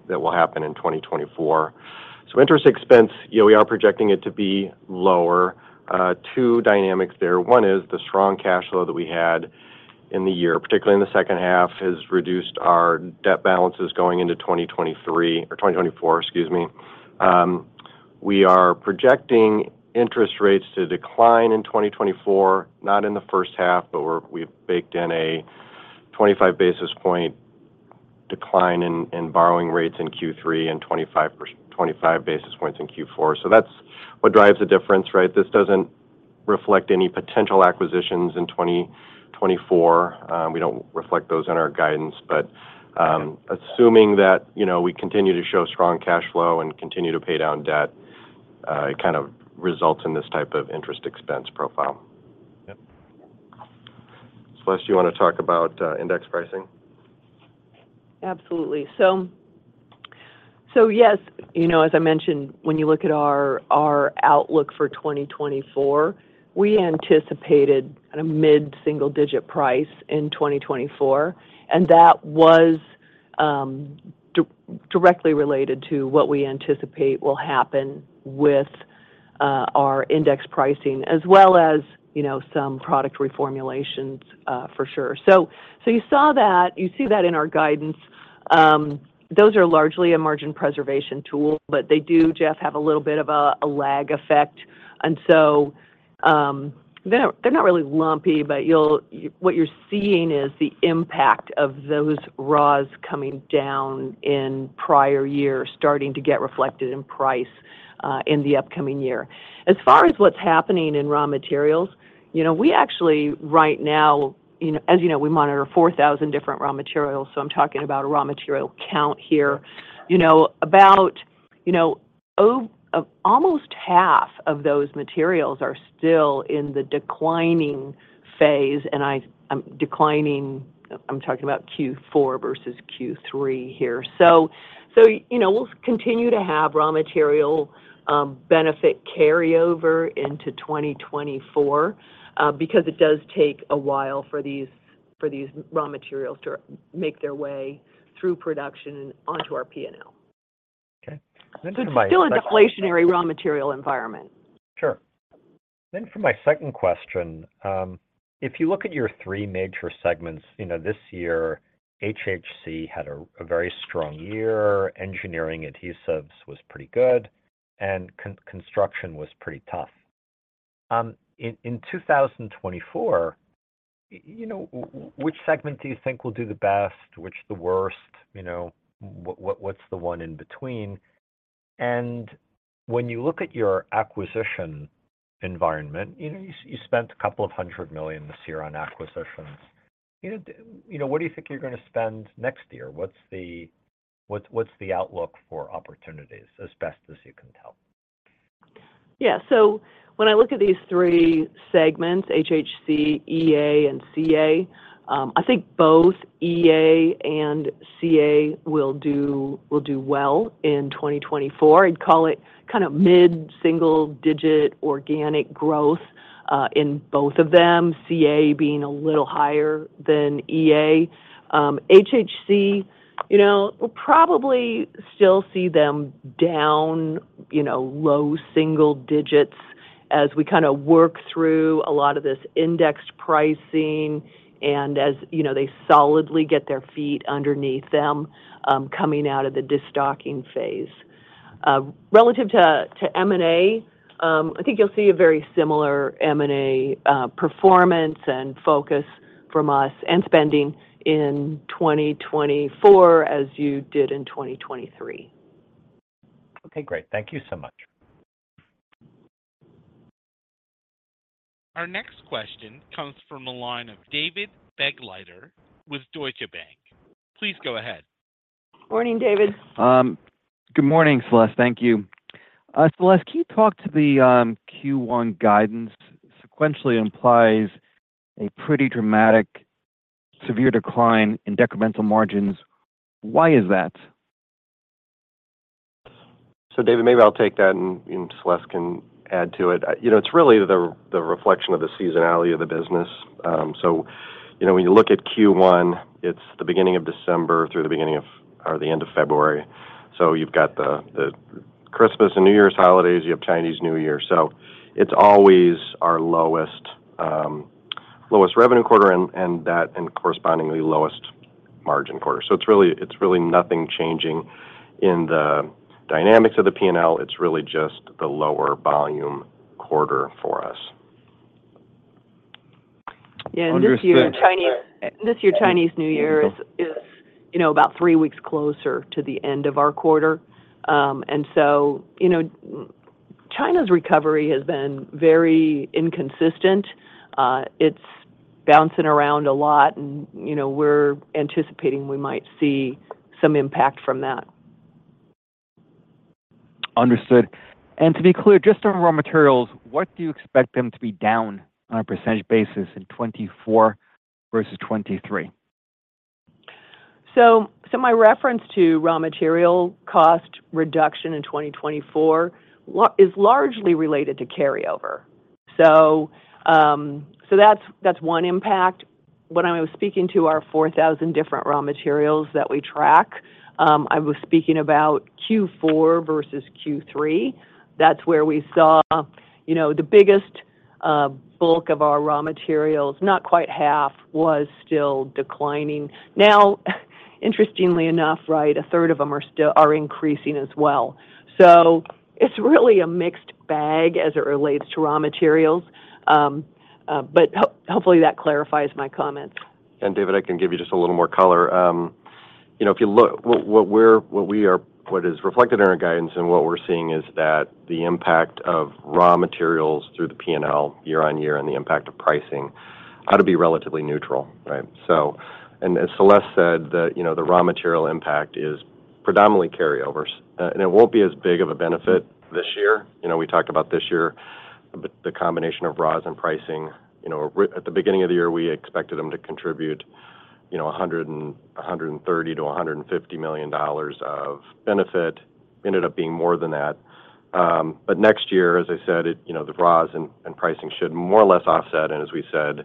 [SPEAKER 4] that will happen in 2024. So interest expense, yeah, we are projecting it to be lower. Two dynamics there. One is the strong cash flow that we had in the year, particularly in the second half, has reduced our debt balances going into 2023, or 2024, excuse me. We are projecting interest rates to decline in 2024, not in the first half, but we've baked in a 25 basis point decline in borrowing rates in Q3 and 25 basis points in Q4. So that's what drives the difference, right? This doesn't reflect any potential acquisitions in 2024. We don't reflect those in our guidance. But,
[SPEAKER 8] Okay...
[SPEAKER 4] assuming that, you know, we continue to show strong cash flow and continue to pay down debt, it kind of results in this type of interest expense profile.
[SPEAKER 8] Yep.
[SPEAKER 4] Celeste, you want to talk about index pricing?
[SPEAKER 3] Absolutely. So yes, you know, as I mentioned, when you look at our outlook for 2024, we anticipated a mid-single-digit price in 2024, and that was directly related to what we anticipate will happen with our index pricing, as well as, you know, some product reformulations for sure. So you see that in our guidance. Those are largely a margin preservation tool, but they do, Jeff, have a little bit of a lag effect. And so they're not really lumpy, but you, what you're seeing is the impact of those raws coming down in prior years, starting to get reflected in price in the upcoming year. As far as what's happening in raw materials, you know, we actually, right now, you know, as you know, we monitor 4,000 different raw materials, so I'm talking about a raw material count here. You know, about, you know, almost half of those materials are still in the declining phase, and declining, I'm talking about Q4 versus Q3 here. So, so, you know, we'll continue to have raw material benefit carryover into 2024, because it does take a while for these, for these raw materials to make their way through production and onto our P&L.
[SPEAKER 8] Okay. Then to my-
[SPEAKER 3] Still a deflationary raw material environment.
[SPEAKER 8] Sure. Then for my second question, if you look at your three major segments, you know, this year, HHC had a very strong year, Engineering Adhesives was pretty good, and Construction was pretty tough. In 2024, you know, which segment do you think will do the best? Which the worst? You know, what's the one in between? And when you look at your acquisition environment, you know, you spent $200 million this year on acquisitions. You know, what do you think you're gonna spend next year? What's the outlook for opportunities as best as you can tell?
[SPEAKER 3] Yeah. So when I look at these three segments, HHC, EA, and CA, I think both EA and CA will do, will do well in 2024. I'd call it kind of mid-single-digit organic growth in both of them, CA being a little higher than EA. HHC, you know, we'll probably still see them down, you know, low single digits as we kinda work through a lot of this indexed pricing and as, you know, they solidly get their feet underneath them, coming out of the destocking phase. Relative to, to M&A, I think you'll see a very similar M&A performance and focus from us, and spending in 2024, as you did in 2023.
[SPEAKER 8] Okay, great. Thank you so much.
[SPEAKER 1] Our next question comes from the line of David Begleiter with Deutsche Bank. Please go ahead.
[SPEAKER 3] Morning, David.
[SPEAKER 9] Good morning, Celeste. Thank you. Celeste, can you talk to the Q1 guidance sequentially implies a pretty dramatic, severe decline in decremental margins. Why is that?
[SPEAKER 4] So, David, maybe I'll take that, and Celeste can add to it. You know, it's really the reflection of the seasonality of the business. So, you know, when you look at Q1, it's the beginning of December through the beginning of or the end of February. So you've got the Christmas and New Year's holidays, you have Chinese New Year. So it's always our lowest lowest revenue quarter and correspondingly, lowest margin quarter. So it's really, it's really nothing changing in the dynamics of the P&L, it's really just the lower volume quarter for us.
[SPEAKER 3] Yeah-
[SPEAKER 9] Understood.
[SPEAKER 3] This year, Chinese New Year is, you know, about three weeks closer to the end of our quarter. So, you know, China's recovery has been very inconsistent. It's bouncing around a lot, and, you know, we're anticipating we might see some impact from that.
[SPEAKER 9] Understood. To be clear, just on raw materials, what do you expect them to be down on a percentage basis in 2024 versus 2023?
[SPEAKER 3] So my reference to raw material cost reduction in 2024 is largely related to carryover. So that's one impact. When I was speaking to our 4,000 different raw materials that we track, I was speaking about Q4 versus Q3. That's where we saw, you know, the biggest bulk of our raw materials, not quite half, was still declining. Now, interestingly enough, right, a third of them are still increasing as well. So it's really a mixed bag as it relates to raw materials. But hopefully, that clarifies my comments.
[SPEAKER 4] And, David, I can give you just a little more color. You know, if you look, what is reflected in our guidance and what we're seeing is that the impact of raw materials through the P&L year-on-year and the impact of pricing ought to be relatively neutral, right? And as Celeste said, you know, the raw material impact is predominantly carryovers, and it won't be as big of a benefit this year. You know, we talked about this year, the combination of raws and pricing. You know, at the beginning of the year, we expected them to contribute, you know, $130 million-$150 million of benefit. Ended up being more than that. Next year, as I said, it, you know, the raws and pricing should more or less offset. As we said,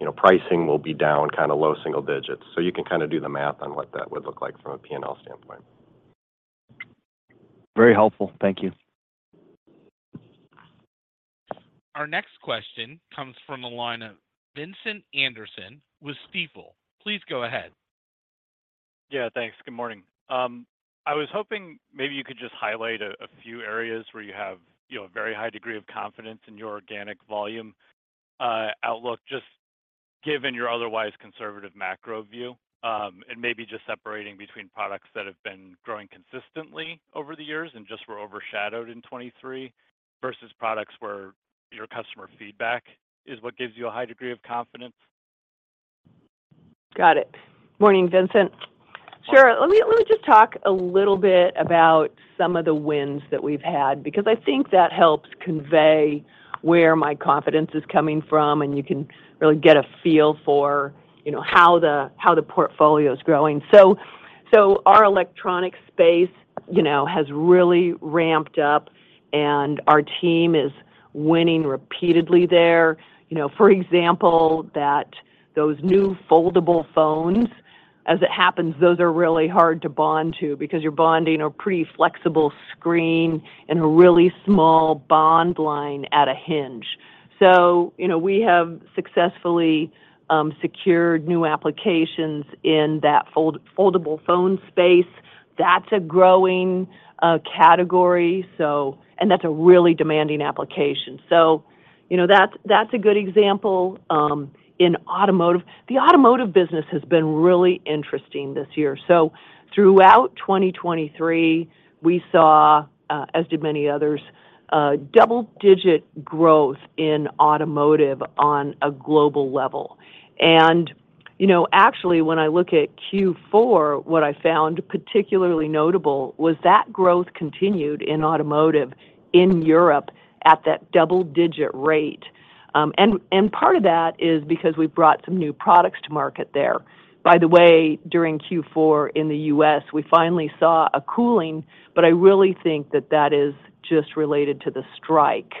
[SPEAKER 4] you know, pricing will be down kind of low single digits. You can kinda do the math on what that would look like from a P&L standpoint.
[SPEAKER 9] Very helpful. Thank you. ...
[SPEAKER 1] Our next question comes from the line of Vincent Anderson with Stifel. Please go ahead.
[SPEAKER 10] Yeah, thanks. Good morning. I was hoping maybe you could just highlight a few areas where you have, you know, a very high degree of confidence in your organic volume outlook, just given your otherwise conservative macro view. And maybe just separating between products that have been growing consistently over the years and just were overshadowed in 2023, versus products where your customer feedback is what gives you a high degree of confidence.
[SPEAKER 3] Got it. Morning, Vincent. Sure. Let me just talk a little bit about some of the wins that we've had, because I think that helps convey where my confidence is coming from, and you can really get a feel for, you know, how the portfolio is growing. So our electronic space, you know, has really ramped up, and our team is winning repeatedly there. You know, for example, those new foldable phones, as it happens, those are really hard to bond to because you're bonding a pretty flexible screen and a really small bond line at a hinge. So, you know, we have successfully secured new applications in that foldable phone space. That's a growing category, so... And that's a really demanding application. So, you know, that's a good example. In automotive, the automotive business has been really interesting this year. So throughout 2023, we saw, as did many others, double-digit growth in automotive on a global level. And you know, actually, when I look at Q4, what I found particularly notable was that growth continued in automotive in Europe at that double-digit rate. And part of that is because we brought some new products to market there. By the way, during Q4 in the U.S., we finally saw a cooling, but I really think that that is just related to the strike,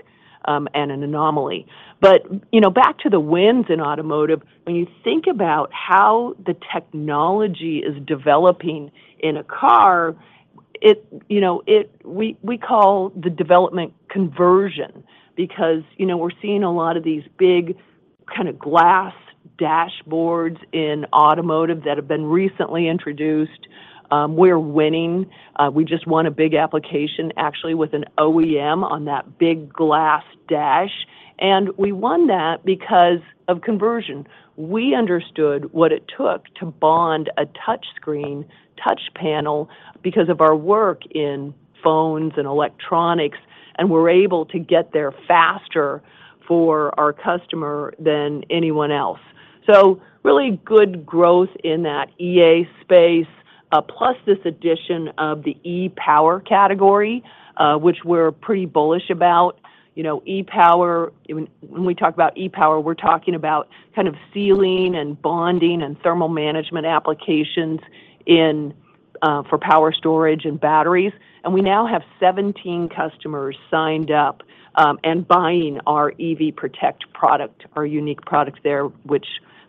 [SPEAKER 3] and an anomaly. But, you know, back to the wins in automotive, when you think about how the technology is developing in a car, you know, we call the development conversion because, you know, we're seeing a lot of these big kind of glass dashboards in automotive that have been recently introduced. We're winning. We just won a big application, actually, with an OEM on that big glass dash, and we won that because of conversion. We understood what it took to bond a touch screen, touch panel because of our work in phones and electronics, and we're able to get there faster for our customer than anyone else. So really good growth in that EA space, plus this addition of the E-Power category, which we're pretty bullish about. You know, E-Power, when, when we talk about E-Power, we're talking about kind of sealing and bonding and thermal management applications in for power storage and batteries. And we now have 17 customers signed up and buying our EV Protect product, our unique product there, which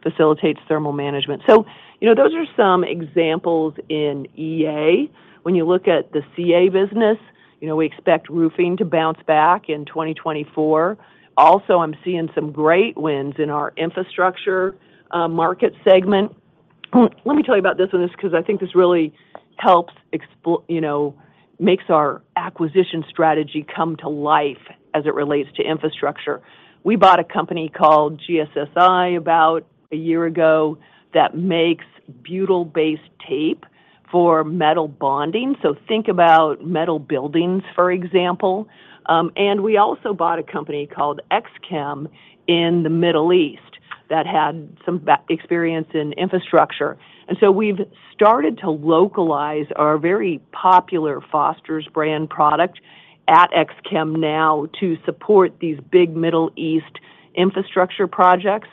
[SPEAKER 3] facilitates thermal management. So you know, those are some examples in EA. When you look at the CA business, you know, we expect roofing to bounce back in 2024. Also, I'm seeing some great wins in our infrastructure market segment. Let me tell you about this one, because I think this really helps you know, makes our acquisition strategy come to life as it relates to infrastructure. We bought a company called GSSI about a year ago, that makes butyl-based tape for metal bonding. So think about metal buildings, for example. And we also bought a company called X-Chem in the Middle East that had some background experience in infrastructure. So we've started to localize our very popular Foster's brand product at X-Chem now to support these big Middle East infrastructure projects.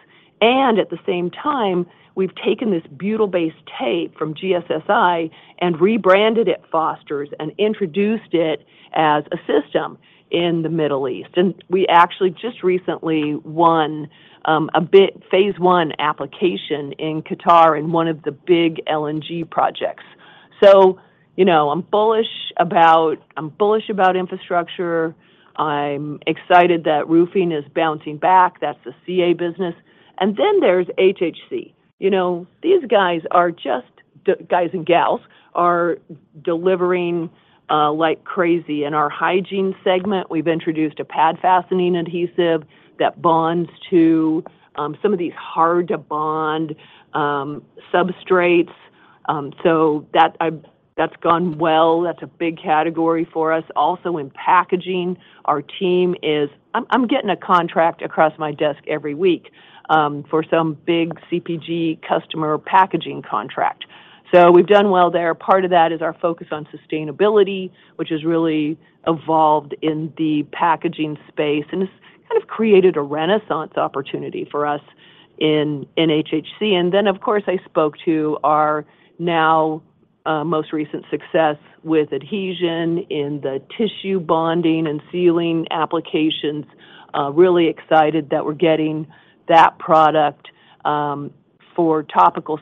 [SPEAKER 3] At the same time, we've taken this butyl-based tape from GSSI and rebranded it Foster's and introduced it as a system in the Middle East. And we actually just recently won a big phase one application in Qatar in one of the big LNG projects. So you know, I'm bullish about infrastructure. I'm excited that roofing is bouncing back. That's the CA business. And then there's HHC. You know, these guys are just, the guys and gals, are delivering like crazy. In our hygiene segment, we've introduced a pad fastening adhesive that bonds to some of these hard-to-bond substrates. So that, that's gone well. That's a big category for us. Also, in packaging, our team is. I'm getting a contract across my desk every week, for some big CPG customer packaging contract. So we've done well there. Part of that is our focus on sustainability, which has really evolved in the packaging space and has kind of created a renaissance opportunity for us in HHC. And then, of course, I spoke to our now, most recent success with Adhesion in the tissue bonding and sealing applications. Really excited that we're getting that product, for topical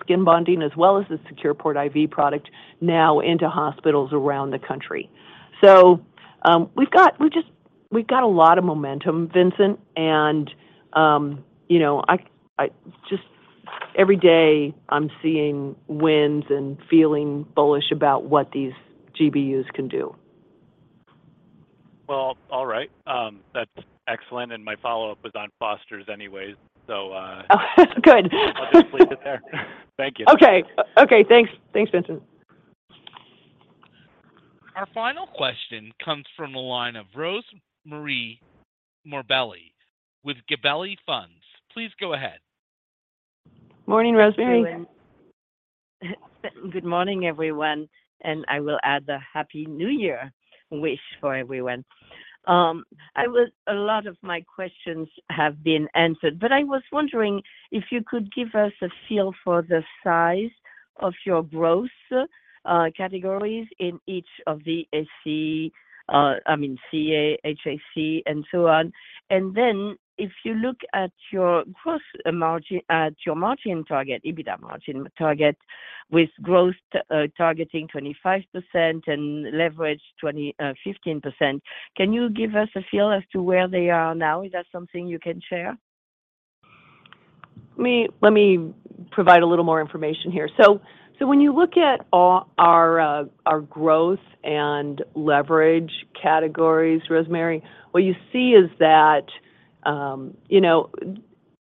[SPEAKER 3] skin bonding, as well as the Secure Port IV product now into hospitals around the country. We've got a lot of momentum, Vincent, and you know, I just every day I'm seeing wins and feeling bullish about what these GBUs can do.
[SPEAKER 10] Well, all right. That's excellent, and my follow-up was on Foster's anyways, so-
[SPEAKER 3] Good.
[SPEAKER 10] I'll just leave it there. Thank you.
[SPEAKER 3] Okay. Okay, thanks. Thanks, Vincent.
[SPEAKER 1] Our final question comes from the line of Rosemarie Morbelli with Gabelli Funds. Please go ahead.
[SPEAKER 3] Morning, Rosemary.
[SPEAKER 11] Good morning, everyone, and I will add a Happy New Year wish for everyone. A lot of my questions have been answered, but I was wondering if you could give us a feel for the size of your growth categories in each of the SC, I mean, CA, HHC, and so on. And then if you look at your growth margin, at your margin target, EBITDA margin target, with growth targeting 25% and leverage 20, 15%, can you give us a feel as to where they are now? Is that something you can share?
[SPEAKER 3] Let me provide a little more information here. So when you look at all our growth and leverage categories, Rosemarie, what you see is that, you know,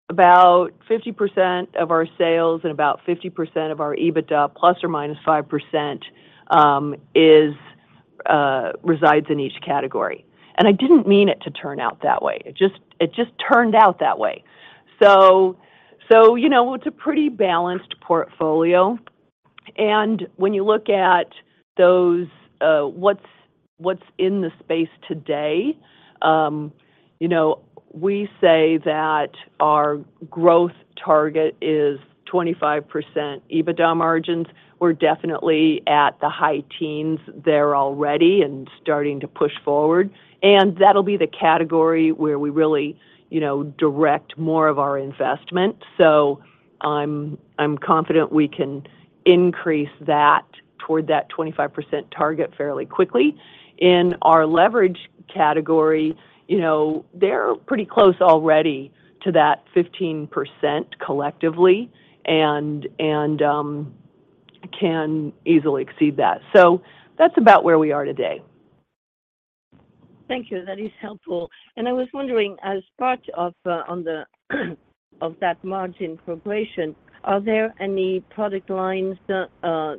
[SPEAKER 3] about 50% of our sales and about 50% of our EBITDA, ±5%, resides in each category. And I didn't mean it to turn out that way. It just turned out that way. So you know, it's a pretty balanced portfolio, and when you look at those, what's in the space today, you know, we say that our growth target is 25% EBITDA margins. We're definitely at the high teens there already and starting to push forward, and that'll be the category where we really, you know, direct more of our investment. So I'm confident we can increase that toward that 25% target fairly quickly. In our leverage category, you know, they're pretty close already to that 15% collectively and can easily exceed that. So that's about where we are today.
[SPEAKER 11] Thank you. That is helpful. And I was wondering, as part of, on the, of that margin progression, are there any product lines that,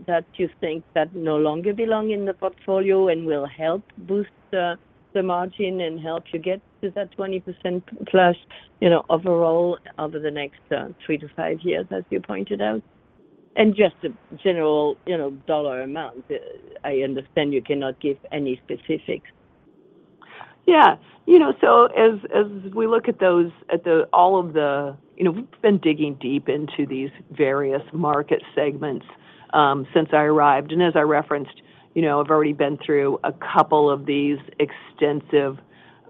[SPEAKER 11] that you think that no longer belong in the portfolio and will help boost the, the margin and help you get to that 20%+, you know, overall, over the next, 3-5 years, as you pointed out? And just a general, you know, dollar amount. I understand you cannot give any specifics.
[SPEAKER 3] Yeah. You know, so as we look at those, all of the... You know, we've been digging deep into these various market segments since I arrived. And as I referenced, you know, I've already been through a couple of these extensive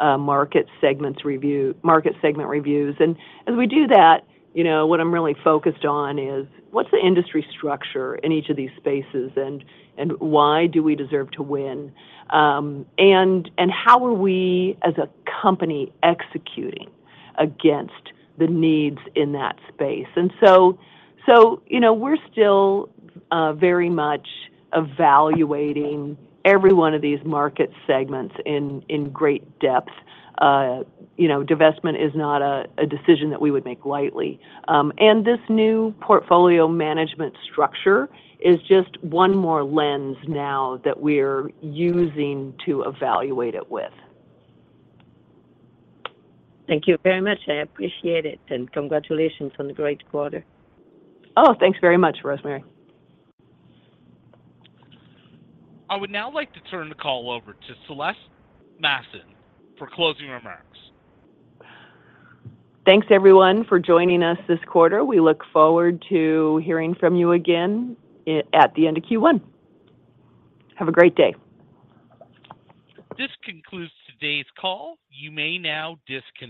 [SPEAKER 3] market segments review, market segment reviews. And as we do that, you know, what I'm really focused on is: What's the industry structure in each of these spaces, and why do we deserve to win? And how are we, as a company, executing against the needs in that space? And so, you know, we're still very much evaluating every one of these market segments in great depth. You know, divestment is not a decision that we would make lightly. This new portfolio management structure is just one more lens now that we're using to evaluate it with.
[SPEAKER 11] Thank you very much. I appreciate it, and congratulations on the great quarter.
[SPEAKER 3] Oh, thanks very much, Rosemarie.
[SPEAKER 1] I would now like to turn the call over to Celeste Mastin for closing remarks.
[SPEAKER 3] Thanks, everyone, for joining us this quarter. We look forward to hearing from you again, at the end of Q1. Have a great day.
[SPEAKER 1] This concludes today's call. You may now disconnect.